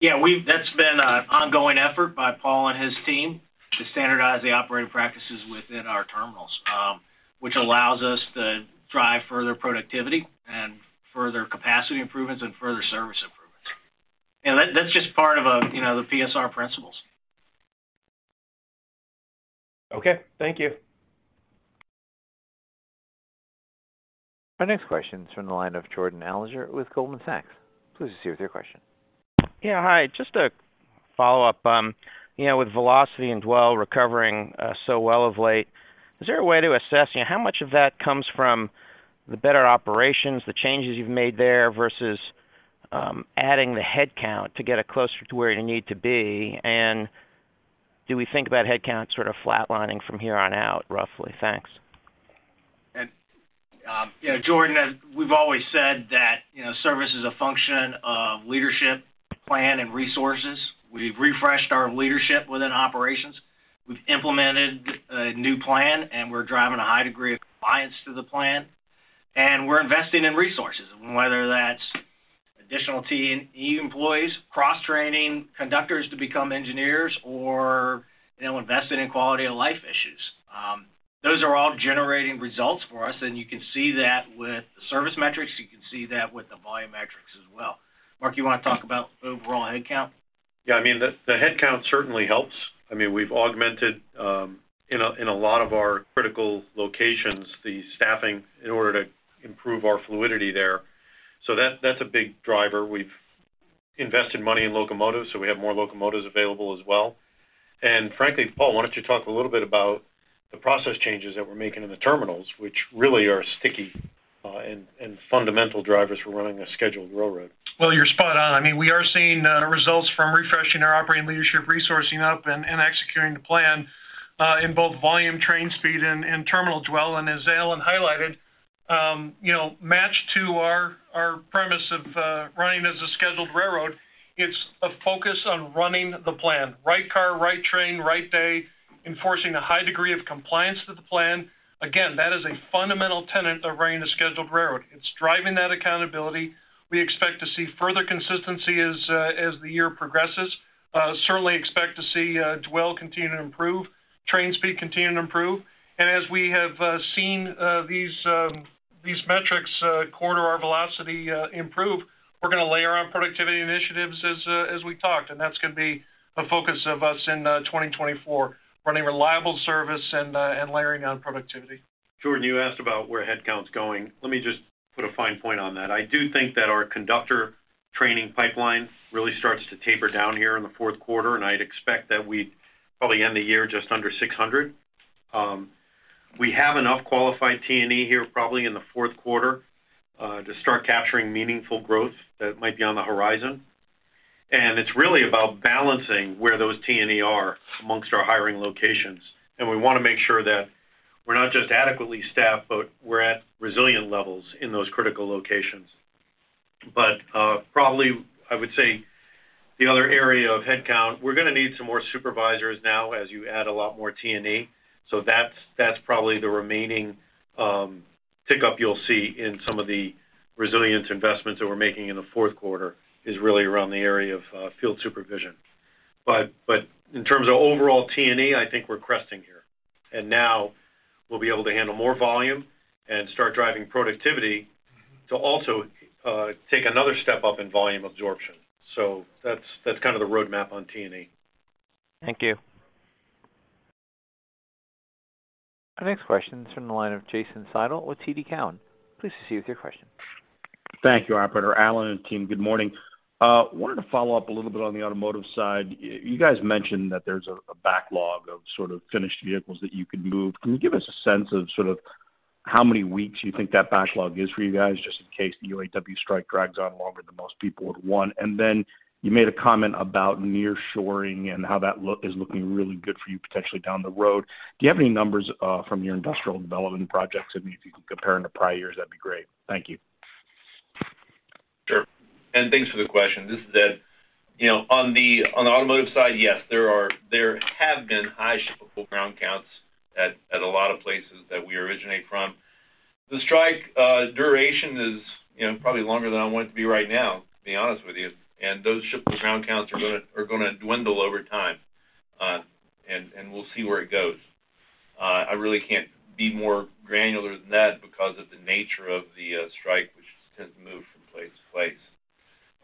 Yeah, that's been an ongoing effort by Paul and his team to standardize the operating practices within our terminals, which allows us to drive further productivity and further capacity improvements and further service improvements. And that, that's just part of, you know, the PSR principles. Okay, thank you. Our next question is from the line of Jordan Alliger with Goldman Sachs. Please proceed with your question. Yeah, hi, just a follow-up. You know, with velocity and dwell recovering so well of late, is there a way to assess, you know, how much of that comes from the better operations, the changes you've made there, versus adding the headcount to get it closer to where you need to be? And do we think about headcount sort of flatlining from here on out, roughly? Thanks. Yeah, Jordan, as we've always said that, you know, service is a function of leadership, plan, and resources. We've refreshed our leadership within operations. We've implemented a new plan, and we're driving a high degree of compliance to the plan, and we're investing in resources, whether that's additional T&E employees, cross-training conductors to become engineers or, you know, investing in quality of life issues. Those are all generating results for us, and you can see that with the service metrics. You can see that with the volume metrics as well. Mark, you want to talk about overall headcount? Yeah, I mean, the headcount certainly helps. I mean, we've augmented in a lot of our critical locations the staffing in order to improve our fluidity there. So that, that's a big driver. We've invested money in locomotives, so we have more locomotives available as well. And frankly, Paul, why don't you talk a little bit about the process changes that we're making in the terminals, which really are sticky and fundamental drivers for running a scheduled railroad? Well, you're spot on. I mean, we are seeing results from refreshing our operating leadership, resourcing up, and executing the plan in both volume, train speed, and terminal dwell. And as Alan highlighted, you know, matched to our premise of running as a scheduled railroad, it's a focus on running the plan. Right car, right train, right day, enforcing a high degree of compliance to the plan. Again, that is a fundamental tenet of running a scheduled railroad. It's driving that accountability. We expect to see further consistency as the year progresses. Certainly expect to see dwell continue to improve, train speed continue to improve, and as we have seen these metrics quarter-over-quarter velocity improve, we're gonna layer on productivity initiatives as we talked, and that's gonna be a focus of us in 2024, running reliable service and layering on productivity. Jordan, you asked about where headcount's going. Let me just put a fine point on that. I do think that our conductor training pipeline really starts to taper down here in the fourth quarter, and I'd expect that we'd probably end the year just under 600. We have enough qualified T&E here, probably in the fourth quarter, to start capturing meaningful growth that might be on the horizon. And it's really about balancing where those T&E are among our hiring locations. And we wanna make sure that we're not just adequately staffed, but we're at resilient levels in those critical locations. But, probably, I would say, the other area of headcount, we're gonna need some more supervisors now as you add a lot more T&E. So that's probably the remaining pickup you'll see in some of the resilience investments that we're making in the fourth quarter, is really around the area of field supervision. But in terms of overall T&E, I think we're cresting here, and now we'll be able to handle more volume and start driving productivity to also take another step up in volume absorption. So that's kind of the roadmap on T&E. Thank you. Our next question is from the line of Jason Seidel with TD Cowen. Please proceed with your question. Thank you, operator. Alan and team, good morning. Wanted to follow up a little bit on the automotive side. You guys mentioned that there's a backlog of sort of finished vehicles that you can move. Can you give us a sense of sort of how many weeks you think that backlog is for you guys, just in case the UAW strike drags on longer than most people would want? And then you made a comment about nearshoring and how that is looking really good for you potentially down the road. Do you have any numbers from your industrial development projects? I mean, if you can compare them to prior years, that'd be great. Thank you. Sure, and thanks for the question. This is Ed. You know, on the automotive side, yes, there are—there have been high shippable ground counts at a lot of places that we originate from. The strike duration is, you know, probably longer than I want it to be right now, to be honest with you, and those shippable ground counts are gonna dwindle over time. And we'll see where it goes. I really can't be more granular than that because of the nature of the strike, which tends to move from place to place.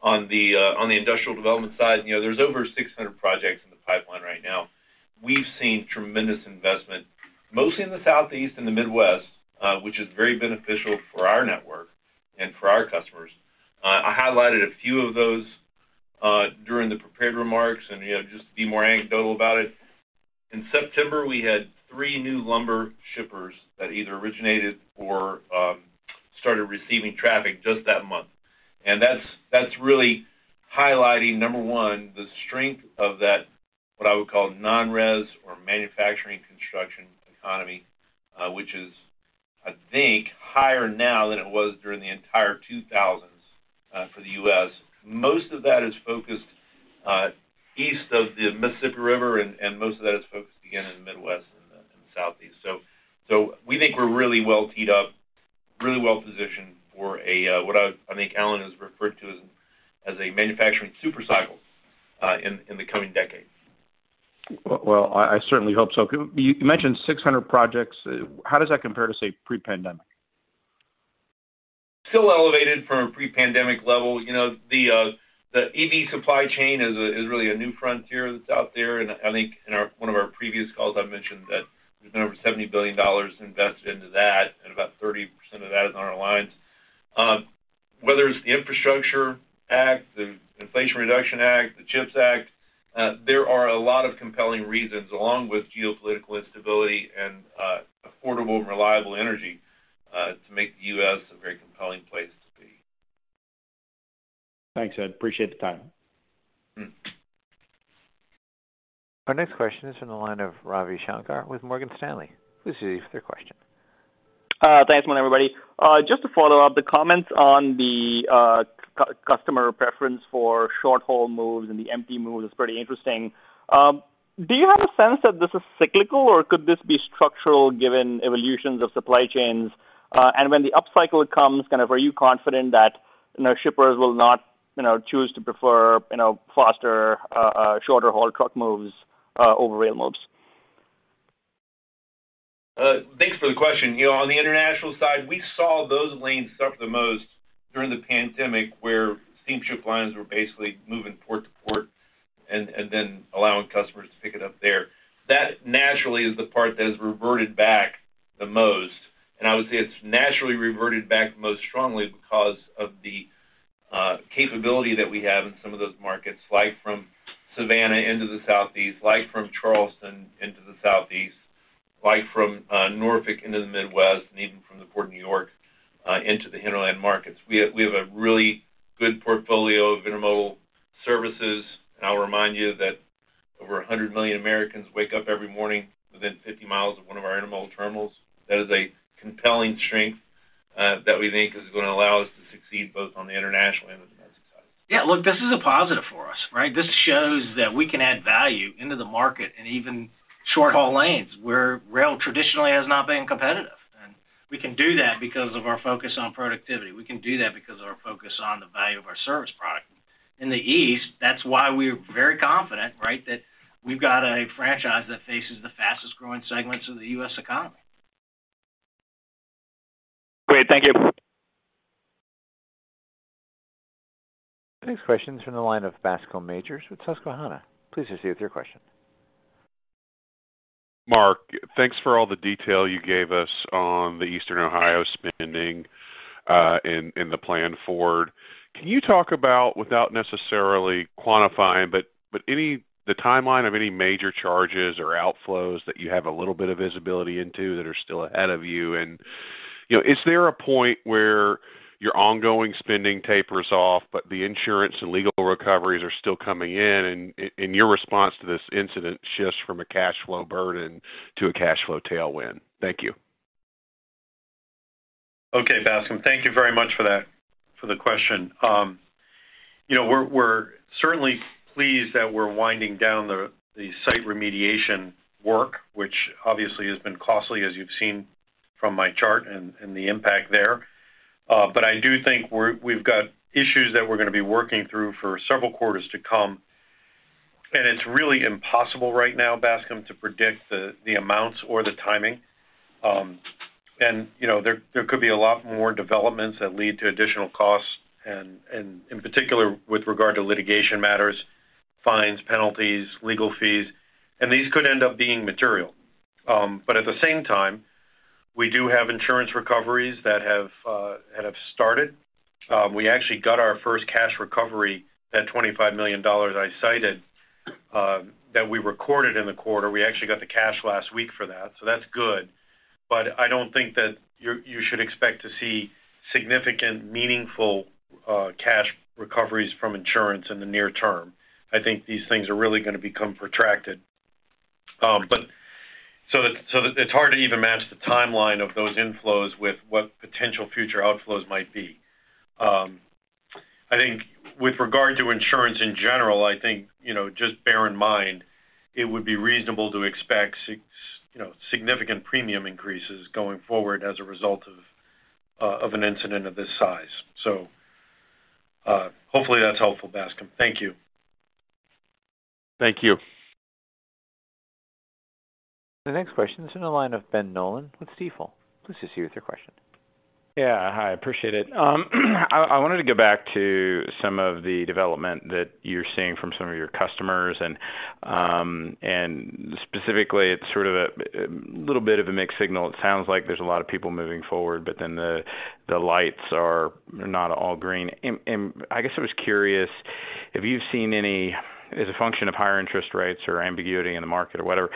On the industrial development side, you know, there's over 600 projects in the pipeline right now. We've seen tremendous investment, mostly in the Southeast and the Midwest, which is very beneficial for our network and for our customers. I highlighted a few of those during the prepared remarks, and, you know, just to be more anecdotal about it, in September, we had three new lumber shippers that either originated or started receiving traffic just that month. And that's, that's really highlighting, number one, the strength of that, what I would call non-res or manufacturing construction economy, which is, I think, higher now than it was during the entire 2000s, for the U.S. Most of that is focused east of the Mississippi River, and, and most of that is focused again, in the Midwest and the Southeast. So, so we think we're really well teed up, really well positioned for a, what I, I think Alan has referred to as, as a manufacturing super cycle, in, in the coming decades. Well, well, I, I certainly hope so. Could you-- you mentioned 600 projects. How does that compare to, say, pre-pandemic? Still elevated from pre-pandemic level. You know, the EV supply chain is really a new frontier that's out there. And I think in one of our previous calls, I mentioned that there's been over $70 billion invested into that, and about 30% of that is on our lines. Whether it's the Infrastructure Act, the Inflation Reduction Act, the CHIPS Act, there are a lot of compelling reasons, along with geopolitical instability and affordable and reliable energy, to make the U.S. a very compelling place to be. Thanks, Ed. Appreciate the time. Mm-hmm. Our next question is from the line of Ravi Shankar with Morgan Stanley. Please proceed with your question. Thanks, everyone. Just to follow up, the comments on the customer preference for short-haul moves and the empty moves is pretty interesting. Do you have a sense that this is cyclical, or could this be structural, given evolutions of supply chains? And when the upcycle comes, kind of, are you confident that, you know, shippers will not, you know, choose to prefer, you know, faster, shorter-haul truck moves over rail moves? Thanks for the question. You know, on the international side, we saw those lanes suffer the most during the pandemic, where steamship lines were basically moving port to port and then allowing customers to pick it up there. That naturally is the part that has reverted back the most, and I would say it's naturally reverted back most strongly because of the capability that we have in some of those markets, like from Savannah into the Southeast, like from Charleston into the Southeast, like from Norfolk into the Midwest, and even from the Port of New York into the hinterland markets. We have a really good portfolio of intermodal services, and I'll remind you that over 100 million Americans wake up every morning within 50 miles of one of our intermodal terminals. That is a compelling strength, that we think is gonna allow us to succeed both on the international and the domestic side. Yeah, look, this is a positive for us, right? This shows that we can add value into the market and even short-haul lanes, where rail traditionally has not been competitive, and we can do that because of our focus on productivity. We can do that because of our focus on the value of our service product. In the East, that's why we're very confident, right, that we've got a franchise that faces the fastest growing segments of the U.S. economy. Great. Thank you. Next question is from the line of Bascome Majors with Susquehanna. Please proceed with your question. Mark, thanks for all the detail you gave us on the Eastern Ohio spending, and the plan forward. Can you talk about, without necessarily quantifying, the timeline of any major charges or outflows that you have a little bit of visibility into that are still ahead of you? You know, is there a point where your ongoing spending tapers off, but the insurance and legal recoveries are still coming in, and your response to this incident shifts from a cash flow burden to a cash flow tailwind? Thank you. Okay, Bascome, thank you very much for that, for the question. You know, we're certainly pleased that we're winding down the site remediation work, which obviously has been costly, as you've seen from my chart and the impact there. But I do think we've got issues that we're gonna be working through for several quarters to come, and it's really impossible right now, Bascome, to predict the amounts or the timing. And, you know, there could be a lot more developments that lead to additional costs and in particular, with regard to litigation matters, fines, penalties, legal fees, and these could end up being material. But at the same time, we do have insurance recoveries that have started. We actually got our first cash recovery, that $25 million I cited, that we recorded in the quarter. We actually got the cash last week for that, so that's good. But I don't think that you should expect to see significant, meaningful cash recoveries from insurance in the near term. I think these things are really gonna become protracted. So it's hard to even match the timeline of those inflows with what potential future outflows might be. I think with regard to insurance in general, I think, you know, just bear in mind, it would be reasonable to expect you know, significant premium increases going forward as a result of an incident of this size. So hopefully that's helpful, Bascome. Thank you. Thank you. The next question is in the line of Ben Nolan with Stifel. Please proceed with your question. Yeah. Hi, appreciate it. I wanted to go back to some of the development that you're seeing from some of your customers, and specifically, it's sort of a little bit of a mixed signal. It sounds like there's a lot of people moving forward, but then the lights are not all green. And I guess I was curious if you've seen any... As a function of higher interest rates or ambiguity in the market or whatever,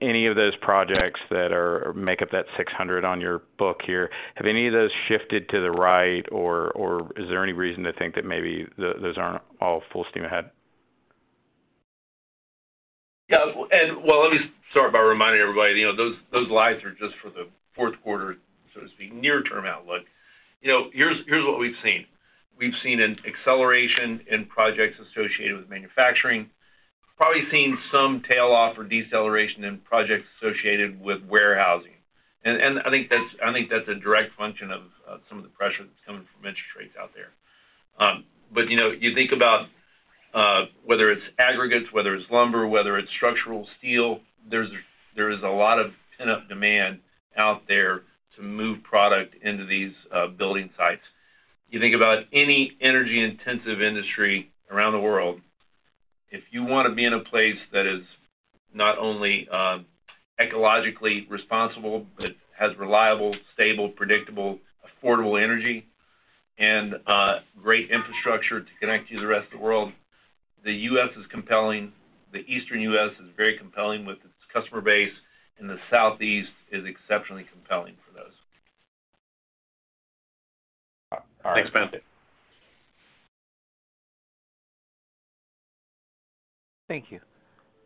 any of those projects that make up that $600 on your book here, have any of those shifted to the right, or is there any reason to think that maybe those aren't all full steam ahead? Yeah, and well, let me start by reminding everybody, you know, those lines are just for the fourth quarter, so to speak, near-term outlook. You know, here's what we've seen. We've seen an acceleration in projects associated with manufacturing, probably seen some tail off or deceleration in projects associated with warehousing. And I think that's a direct function of some of the pressure that's coming from interest rates out there. But you know, you think about whether it's aggregates, whether it's lumber, whether it's structural steel, there is a lot of pent-up demand out there to move product into these building sites. You think about any energy-intensive industry around the world, if you wanna be in a place that is not only, ecologically responsible, but has reliable, stable, predictable, affordable energy and, great infrastructure to connect you to the rest of the world, the U.S. is compelling. The Eastern U.S. is very compelling with its customer base, and the Southeast is exceptionally compelling for those. Thanks, Ben. Thank you.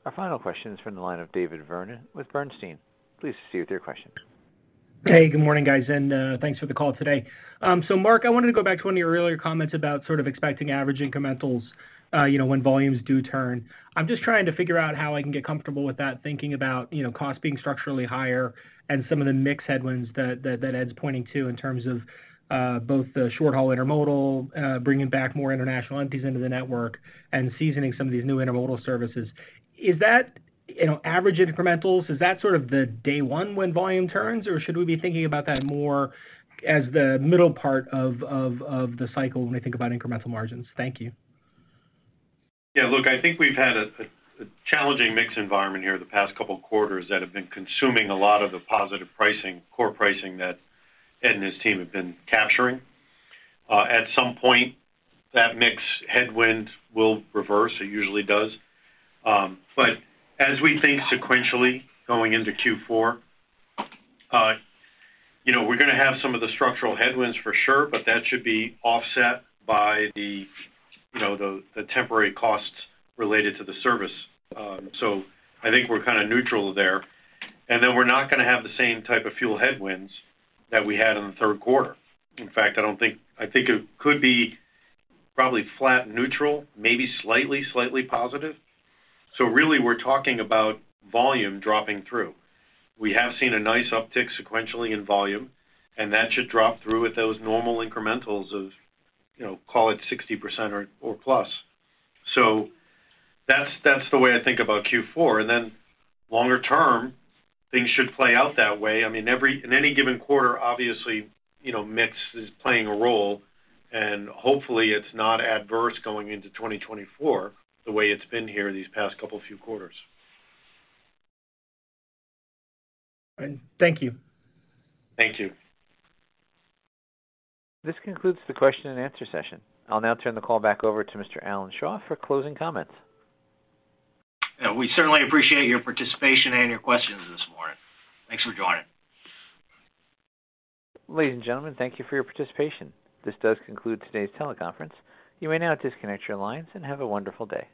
Our final question is from the line of David Vernon with Bernstein. Please proceed with your question. Hey, good morning, guys, and thanks for the call today. So Mark, I wanted to go back to one of your earlier comments about sort of expecting average incrementals, you know, when volumes do turn. I'm just trying to figure out how I can get comfortable with that, thinking about, you know, costs being structurally higher and some of the mix headwinds that Ed's pointing to in terms of both the short-haul intermodal bringing back more international empties into the network and seasoning some of these new intermodal services. Is that, you know, average incrementals, is that sort of the day one when volume turns, or should we be thinking about that more as the middle part of the cycle when we think about incremental margins? Thank you. Yeah, look, I think we've had a challenging mix environment here the past couple of quarters that have been consuming a lot of the positive pricing, core pricing that Ed and his team have been capturing. At some point, that mix headwind will reverse. It usually does. But as we think sequentially, going into Q4, you know, we're gonna have some of the structural headwinds for sure, but that should be offset by you know, the temporary costs related to the service. So I think we're kind of neutral there. And then, we're not gonna have the same type of fuel headwinds that we had in the third quarter. In fact, I don't think, I think it could be probably flat neutral, maybe slightly positive. So really, we're talking about volume dropping through. We have seen a nice uptick sequentially in volume, and that should drop through at those normal incrementals of, you know, call it 60% or, or plus. So that's, that's the way I think about Q4. And then, longer term, things should play out that way. I mean, every in any given quarter, obviously, you know, mix is playing a role, and hopefully, it's not adverse going into 2024, the way it's been here these past couple few quarters. Thank you. Thank you. This concludes the question and answer session. I'll now turn the call back over to Mr. Alan Shaw for closing comments. Yeah, we certainly appreciate your participation and your questions this morning. Thanks for joining. Ladies and gentlemen, thank you for your participation. This does conclude today's teleconference. You may now disconnect your lines, and have a wonderful day.